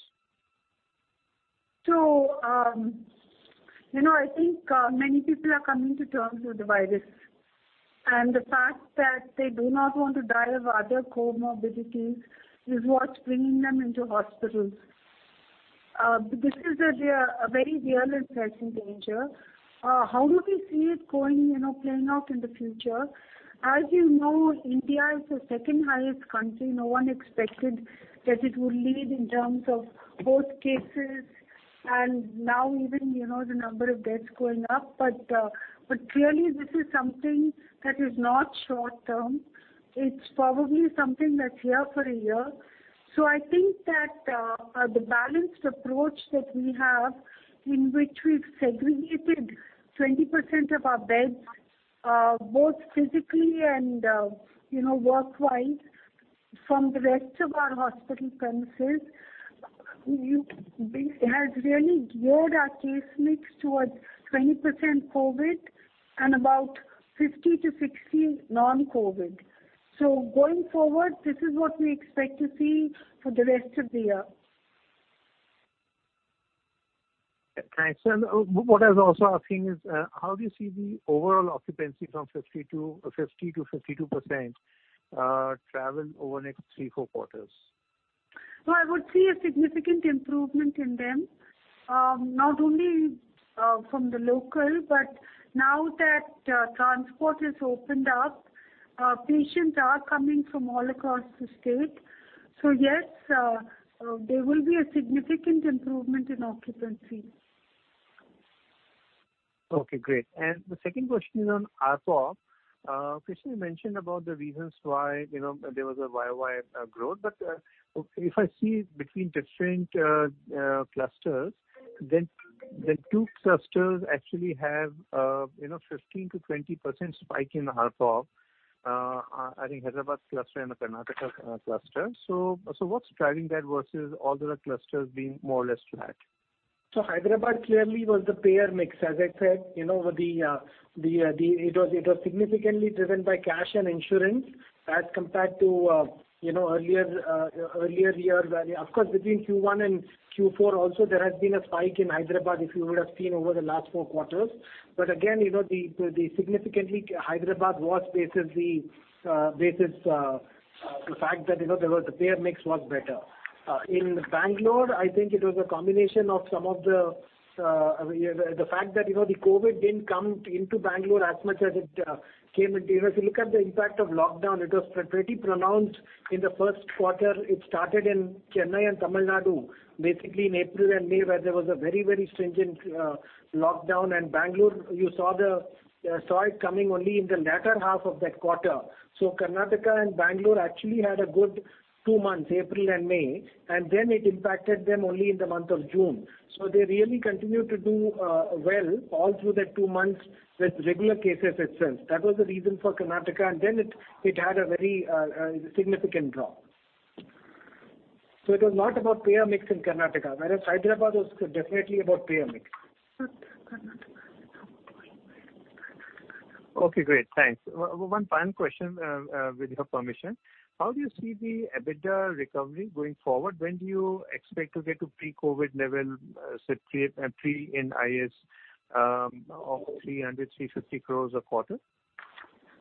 I think many people are coming to terms with the virus, and the fact that they do not want to die of other comorbidities is what's bringing them into hospitals. This is a very real and present danger. How do we see it playing out in the future? As you know, India is the second highest country. No one expected that it would lead in terms of both cases and now even the number of deaths going up. Clearly this is something that is not short-term. It's probably something that's here for a year. I think that the balanced approach that we have, in which we've segregated 20% of our beds, both physically and work-wise from the rest of our hospital premises has really geared our case mix towards 20% COVID and about 50%-60% non-COVID. Going forward, this is what we expect to see for the rest of the year. Thanks. What I was also asking is, how do you see the overall occupancy from 50%-52% trend over next three, four quarters? I would see a significant improvement in them, not only from the local, but now that transport is opened up, patients are coming from all across the state. Yes, there will be a significant improvement in occupancy. Okay, great. The second question is on ARPOB. Krishnan mentioned about the reasons why there was a YoY growth. If I see between different clusters, the two clusters actually have 15%-20% spike in ARPOB. I think Hyderabad cluster and the Karnataka cluster. What's driving that versus all the other clusters being more or less flat? Hyderabad clearly was the payer mix. As I said, it was significantly driven by cash and insurance as compared to earlier year. Of course, between Q1 and Q4 also, there has been a spike in Hyderabad if you would have seen over the last four quarters. Again, significantly Hyderabad was basically the fact that the payer mix was better. In Bangalore, I think it was a combination of the fact that the COVID didn't come into Bangalore. If you look at the impact of lockdown, it was pretty pronounced in the first quarter. It started in Chennai and Tamil Nadu, basically in April and May, where there was a very stringent lockdown. Bangalore, you saw it coming only in the latter half of that quarter. Karnataka and Bangalore actually had a good two months, April and May, and then it impacted them only in the month of June. They really continued to do well all through that two months with regular cases itself. That was the reason for Karnataka, and then it had a very significant drop. It was not about payer mix in Karnataka, whereas Hyderabad was definitely about payer mix. Okay, great. Thanks. One final question, with your permission. How do you see the EBITDA recovery going forward? When do you expect to get to pre-COVID level, say, pre-Ind AS of 300 crore-350 crore a quarter?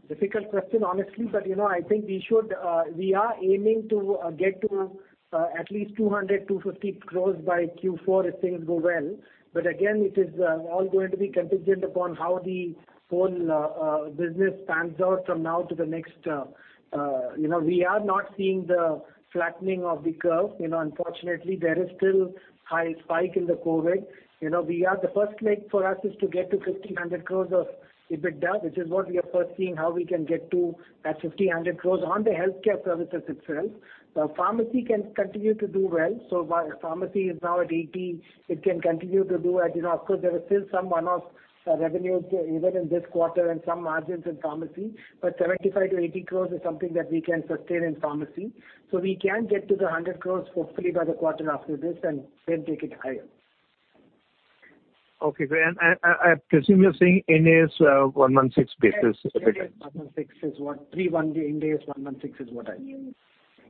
Difficult question, honestly. I think we are aiming to get to at least 200 crore-250 crore by Q4 if things go well. Again, it is all going to be contingent upon how the whole business pans out from now to the next. We are not seeing the flattening of the curve. Unfortunately, there is still high spike in the COVID. The first leg for us is to get to 1,500 crore of EBITDA, which is what we are first seeing how we can get to that 1,500 crore on the healthcare services itself. Pharmacy can continue to do well. Pharmacy is now at 80 crore. It can continue to do. Of course, there is still some one-off revenues even in this quarter and some margins in pharmacy, but 75 crore-80 crore is something that we can sustain in pharmacy. We can get to the 100 crores hopefully by the quarter after this, and then take it higher. Okay, great. I presume you're saying Ind-AS 116 basis? Yes. Ind-AS 116 is what pre-Ind AS 116 is what I mean.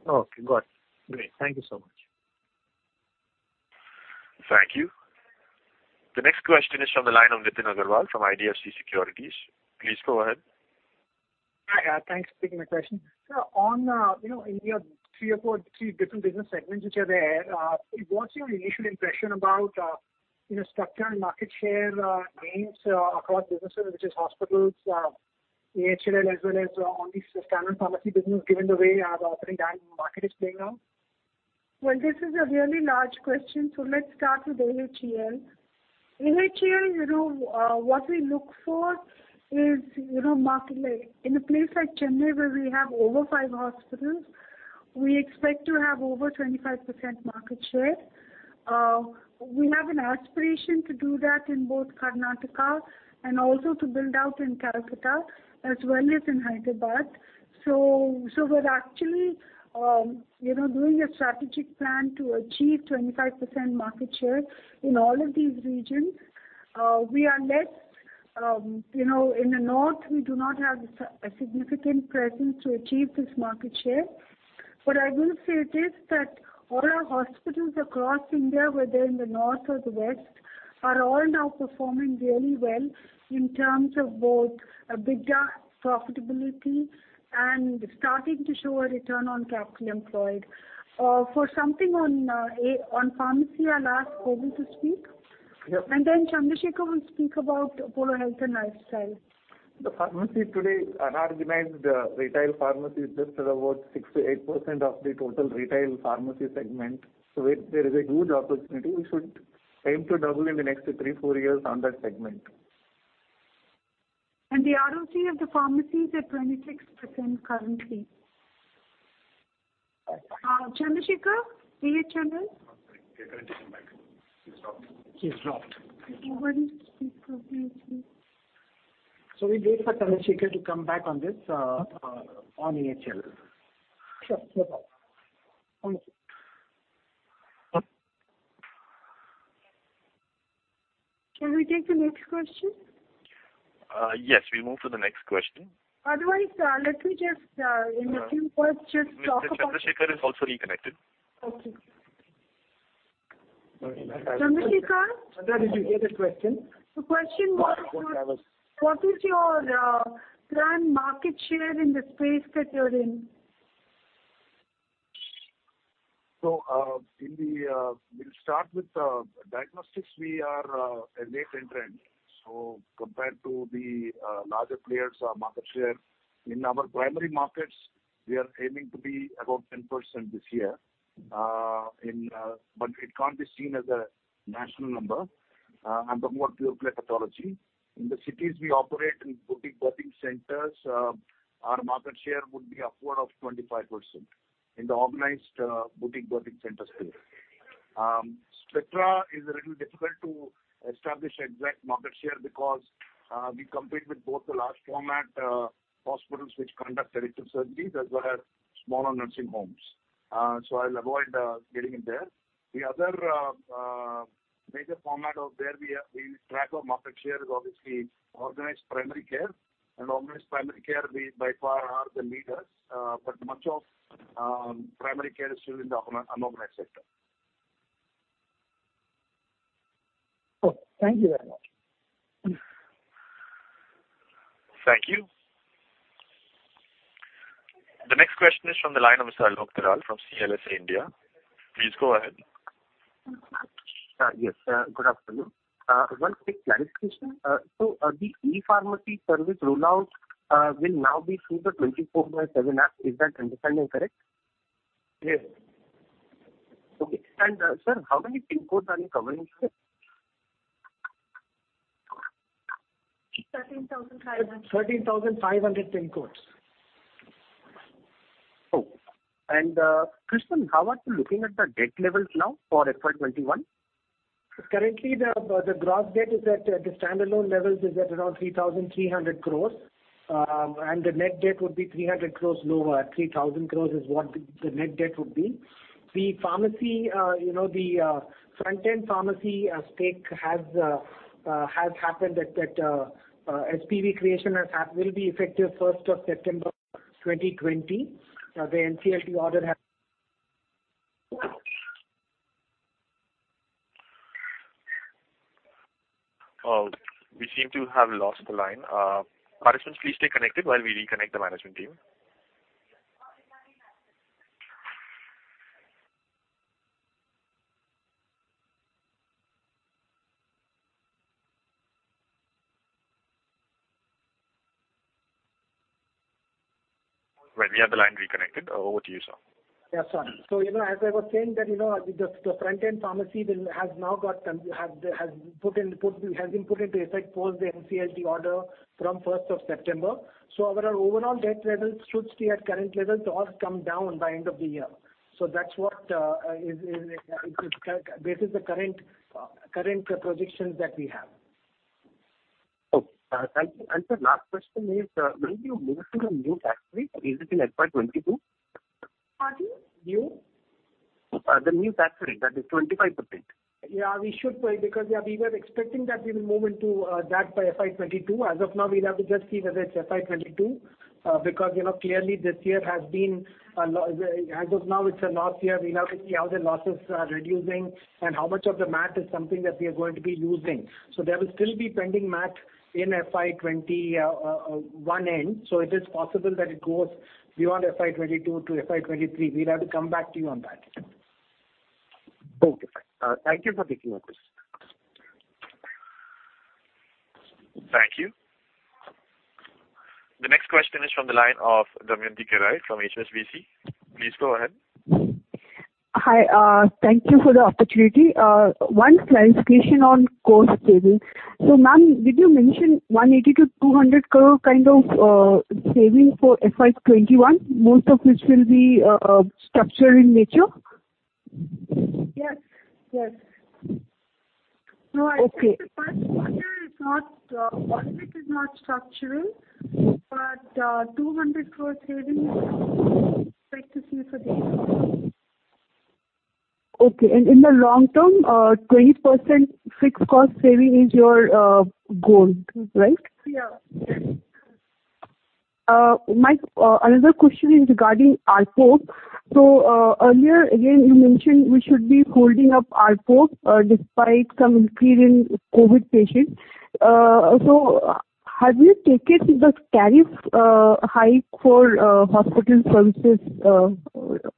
Okay, got it. Great. Thank you so much. Thank you. The next question is from the line of Nitin Agarwal from IDFC Securities. Please go ahead. Hi. Thanks for taking my question. Sir, in your three different business segments which are there, what's your initial impression about structure and market share gains across businesses, which is hospitals, AHLL, as well as on the standard pharmacy business, given the way the operating market is playing out? Well, this is a really large question, let's start with AHEL. AHEL, what we look for is, in a place like Chennai where we have over five hospitals, we expect to have over 25% market share. We have an aspiration to do that in both Karnataka and also to build out in Kolkata as well as in Hyderabad. We're actually doing a strategic plan to achieve 25% market share in all of these regions. In the North, we do not have a significant presence to achieve this market share. I will say it is that all our hospitals across India, whether in the north or the west, are all now performing really well in terms of both EBITDA profitability and starting to show a return on capital employed. For something on pharmacy, I'll ask Obul to speak. Yep. Chandra Sekhar will speak about Apollo Health and Lifestyle. The pharmacy today, unorganized retail pharmacy, is just about 6%-8% of the total retail pharmacy segment. There is a good opportunity. We should aim to double in the next three, four years on that segment. The ROCE of the pharmacy is at 26% currently. Chandra Sekhar? AHLL? Sorry. We are getting him back. He's dropped. He's dropped. Otherwise We wait for Chandra Sekhar to come back on this, on AHLL. Sure. No problem. Okay. Can we take the next question? Yes, we move to the next question. Otherwise, let me just in a few words just talk about. Mr. Chandra Sekhar is also reconnected. Okay. Chandra Sekhar? Did you get a question? The question was. Go ahead. What is your planned market share in the space that you're in? We'll start with diagnostics. We are a late entrant. Compared to the larger players, our market share in our primary markets, we are aiming to be about 10% this year. It can't be seen as a national number. The more pure play pathology. In the cities we operate in boutique birthing centers, our market share would be upward of 25% in the organized boutique birthing center space. Apollo Spectra is a little difficult to establish exact market share because we compete with both the large format hospitals which conduct elective surgeries as well as smaller nursing homes. I'll avoid getting in there. The other major format out there we track our market share is obviously organized primary care. Organized primary care, we by far are the leaders. Much of primary care is still in the unorganized sector. Oh, thank you very much. Thank you. The next question is from the line of Alok Dalal from CLSA India. Please go ahead. Yes, good afternoon. One quick clarification. The e-pharmacy service rollout will now be through the 24/7 app. Is that understanding correct? Yes. Okay. Sir, how many PIN codes are you covering here? 13,500. 13,500 PIN codes. Krishnan, how are you looking at the debt levels now for FY 2021? Currently, the gross debt is at the standalone levels, is at around 3,300 crores. The net debt would be 300 crores lower. 3,000 crores is what the net debt would be. The front-end pharmacy stake has happened at that SPV creation will be effective 1st of September 2020. The NCLT order has We seem to have lost the line. Participants, please stay connected while we reconnect the management team. We have the line reconnected. Over to you, sir. Yes, sorry. As I was saying that, the front-end pharmacy has been put into effect post the NCLT order from 1st of September. Our overall debt levels should stay at current levels or come down by end of the year. That's what the current projections that we have. Okay. Thank you. Sir, last question is, will you move to the new tax rate? Is it in FY 2022? Pardon? New? The new tax rate that is 25%. Yeah, we should because we were expecting that we will move into that by FY 2022. As of now, we'll have to just see whether it's FY 2022, because clearly As of now, it's a loss year. We'll have to see how the losses are reducing and how much of the MAT is something that we are going to be using. There will still be pending MAT in FY 2021 end. It is possible that it goes beyond FY 2022 to FY 2023. We'll have to come back to you on that. Okay. Thank you for taking my question. Thank you. The next question is from the line of Damayanti Kerai from HSBC. Please go ahead. Hi. Thank you for the opportunity. One clarification on cost saving. Ma'am, did you mention 180 crore-200 crore kind of saving for FY 2021, most of which will be structural in nature? Yes. Okay. I said the first quarter all of it is not structural, but 200 crore saving we expect to see for the year. Okay. In the long term, 20% fixed cost saving is your goal, right? Yeah. Another question is regarding ARPOb. Earlier, again, you mentioned we should be holding up ARPOB despite some increase in COVID patients. Have you taken the tariff hike for hospital services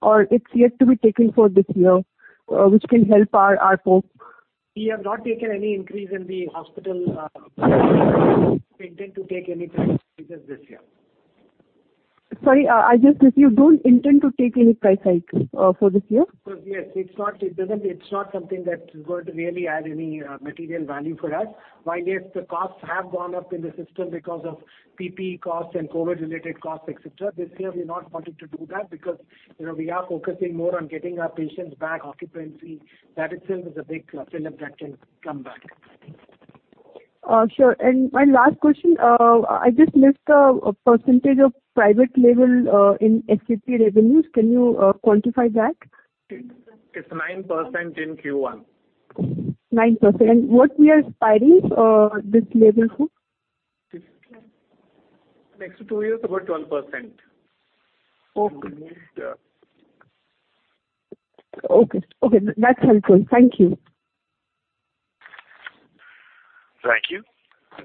or it's yet to be taken for this year which can help our ARPOB? We have not taken any increase in the hospital we intend to take any price increases this year. Sorry, I just missed. You don't intend to take any price hike for this year? Yes. It's not something that's going to really add any material value for us. While, yes, the costs have gone up in the system because of PPE costs and COVID related costs, et cetera. This year, we're not wanting to do that because we are focusing more on getting our patients back, occupancy. That in itself is a big fillip that can come back. Sure. My last question, I just missed a % of private label in SAP revenues. Can you quantify that? It's 9% in Q1. 9%. What we are aspiring this label to? Next two years, about 12%. Okay. That's helpful. Thank you. Thank you.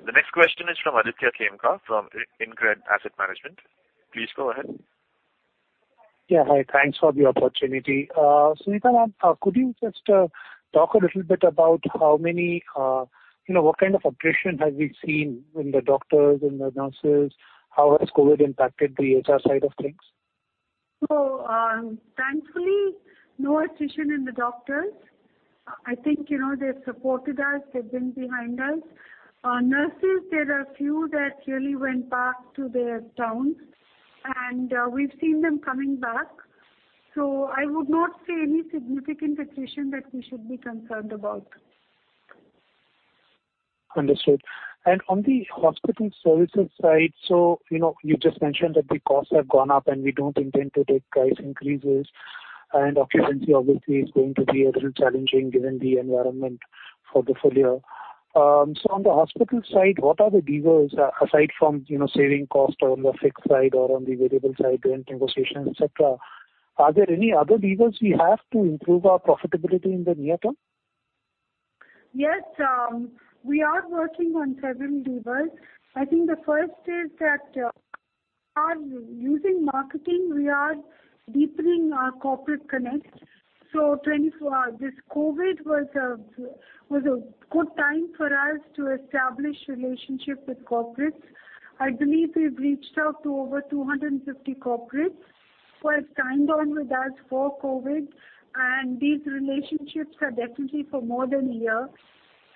The next question is from Aditya Khemka, from InCred Asset Management. Please go ahead. Yeah. Hi. Thanks for the opportunity. Suneeta ma'am, could you just talk a little bit about what kind of attrition have we seen in the doctors and the nurses? How has COVID impacted the HR side of things? Thankfully, no attrition in the doctors. I think they've supported us. They've been behind us. Nurses, there are a few that really went back to their towns, and we've seen them coming back. I would not say any significant attrition that we should be concerned about. Understood. On the hospital services side, you just mentioned that the costs have gone up and we don't intend to take price increases, and occupancy obviously is going to be a little challenging given the environment for the full year. On the hospital side, what are the levers aside from saving cost on the fixed side or on the variable side, rent negotiation, et cetera? Are there any other levers we have to improve our profitability in the near term? Yes, we are working on several levers. I think the first is that using marketing, we are deepening our corporate connect. This COVID was a good time for us to establish relationship with corporates. I believe we've reached out to over 250 corporates who have signed on with us for COVID, and these relationships are definitely for more than a year.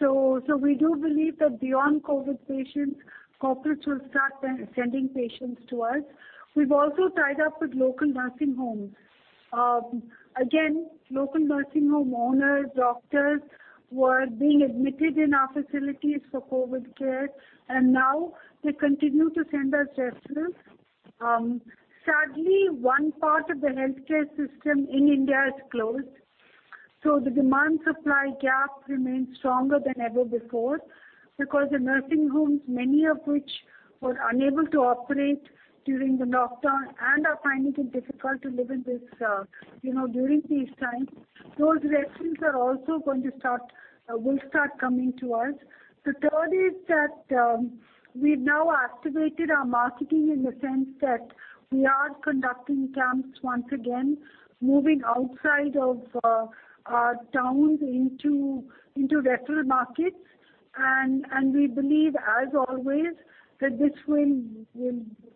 We do believe that beyond COVID patients, corporates will start sending patients to us. We've also tied up with local nursing homes. Again, local nursing home owners, doctors were being admitted in our facilities for COVID care, and now they continue to send us residents. Sadly, one part of the healthcare system in India is closed. The demand-supply gap remains stronger than ever before because the nursing homes, many of which were unable to operate during the lockdown and are finding it difficult to live during these times. Those residents will start coming to us. The third is that we've now activated our marketing in the sense that we are conducting camps once again, moving outside of our towns into rental markets. We believe as always that this will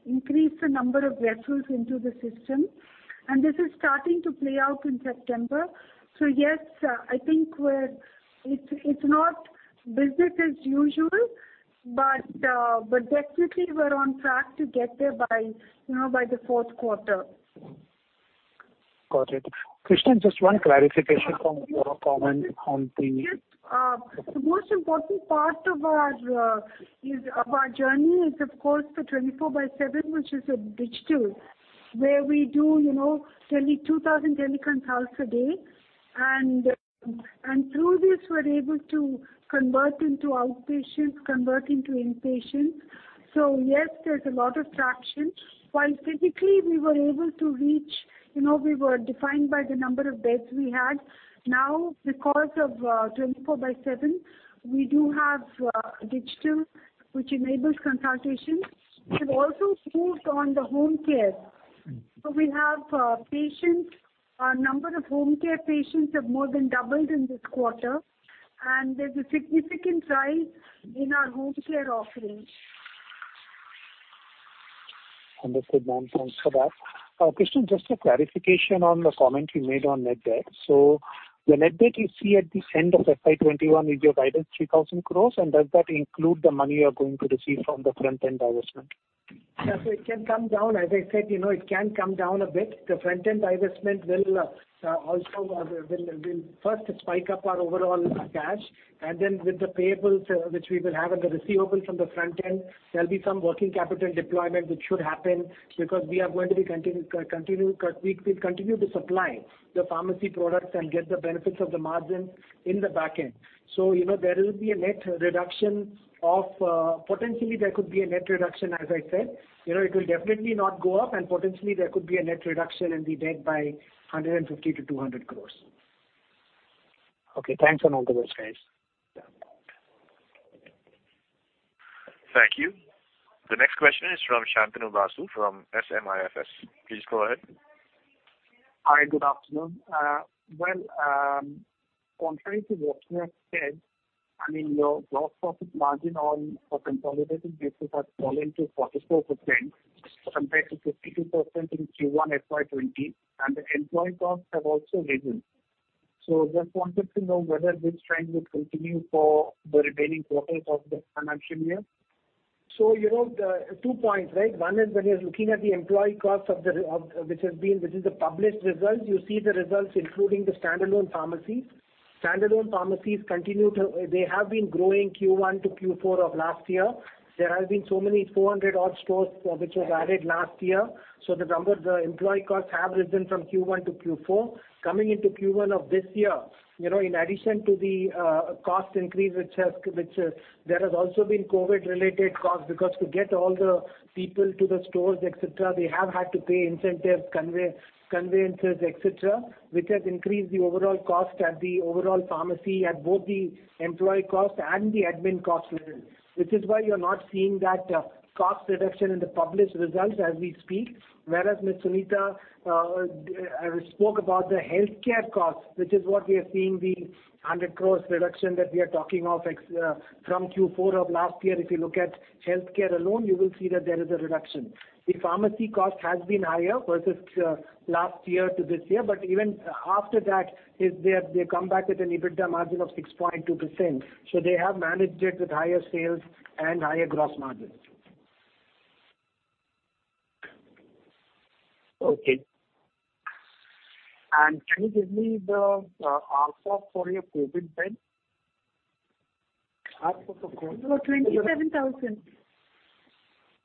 increase the number of residents into the system. This is starting to play out in September. Yes, I think it's not business as usual, but definitely we're on track to get there by the fourth quarter. Got it. Krishnan, just one clarification from your comment on the- Yes. The most important part of our journey is, of course, the Apollo 24/7, which is a digital, where we do 2,000 teleconsults a day. Through this, we're able to convert into outpatients, convert into inpatients. Yes, there's a lot of traction. While physically, we were able to reach, we were defined by the number of beds we had. Because of Apollo 24/7, we do have digital, which enables consultations. We've also moved on the home care. We have patients. Our number of home care patients have more than doubled in this quarter, and there's a significant rise in our home care offerings. Understood, ma'am. Thanks for that. Krishnan, just a clarification on the comment you made on net debt. The net debt you see at this end of FY 2021 is your guidance 3,000 crores, and does that include the money you're going to receive from the front-end divestment? Yeah, it can come down. As I said, it can come down a bit. The front-end divestment will first spike up our overall cash, and then with the payables which we will have and the receivables from the front end, there'll be some working capital deployment, which should happen because we continue to supply the pharmacy products and get the benefits of the margin in the back end. Potentially there could be a net reduction as I said. It will definitely not go up, and potentially there could be a net reduction in the debt by 150 crores-200 crores. Okay. Thanks on all those, guys. Yeah. Thank you. The next question is from Shantanu Basu from SMIFS. Please go ahead. Hi, good afternoon. Well, contrary to what you have said, your gross profit margin on a consolidated basis has fallen to 44% compared to 52% in Q1 FY 2020, and the employee costs have also risen. Just wanted to know whether this trend would continue for the remaining quarters of the financial year. Two points. One is when you're looking at the employee cost, which is the published results, you see the results including the Standalone Pharmacy. Standalone Pharmacies have been growing Q1 to Q4 of last year. There have been so many, 400 odd stores, which was added last year. The employee costs have risen from Q1 to Q4. Coming into Q1 of this year, in addition to the cost increase, there has also been COVID related costs because to get all the people to the stores, et cetera, they have had to pay incentives, conveyances, et cetera, which has increased the overall cost at the overall Pharmacy at both the employee cost and the admin cost level. Which is why you're not seeing that cost reduction in the published results as we speak. Miss Suneeta spoke about the healthcare cost, which is what we are seeing the 100 crores reduction that we are talking of from Q4 of last year. If you look at healthcare alone, you will see that there is a reduction. The pharmacy cost has been higher versus last year to this year, even after that, they have come back with an EBITDA margin of 6.2%. They have managed it with higher sales and higher gross margin. Okay. Can you give me the ARPOB for your COVID bed? ARPOB for COVID- 27,000.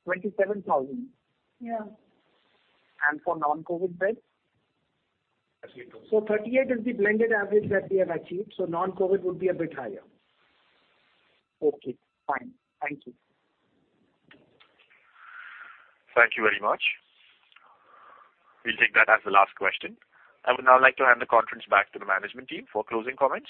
27,000? Yeah. For non-COVID beds? 38 is the blended average that we have achieved, so non-COVID would be a bit higher. Okay, fine. Thank you. Thank you very much. We'll take that as the last question. I would now like to hand the conference back to the management team for closing comments.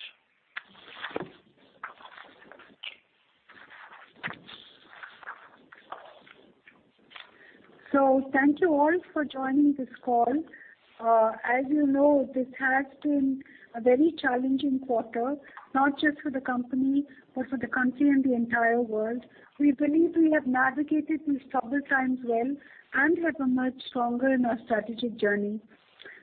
Thank you all for joining this call. As you know, this has been a very challenging quarter, not just for the company, but for the country and the entire world. We believe we have navigated these troubled times well and have emerged stronger in our strategic journey.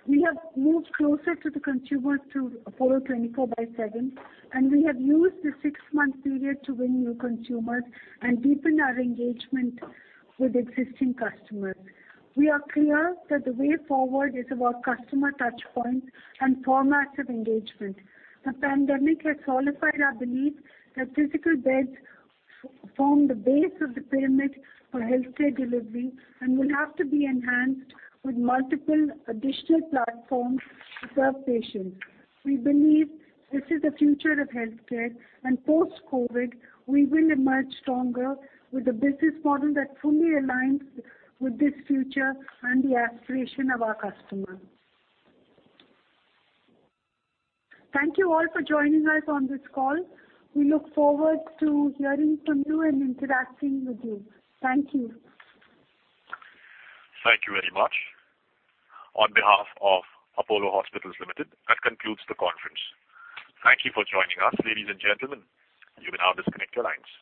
We have moved closer to the consumer through Apollo 24/7, and we have used this six-month period to win new consumers and deepen our engagement with existing customers. We are clear that the way forward is about customer touchpoints and formats of engagement. The pandemic has solidified our belief that physical beds form the base of the pyramid for healthcare delivery and will have to be enhanced with multiple additional platforms to serve patients. We believe this is the future of healthcare, and post-COVID, we will emerge stronger with a business model that fully aligns with this future and the aspiration of our customers. Thank you all for joining us on this call. We look forward to hearing from you and interacting with you. Thank you. Thank you very much. On behalf of Apollo Hospitals Limited, that concludes the conference. Thank you for joining us, ladies and gentlemen. You may now disconnect your lines.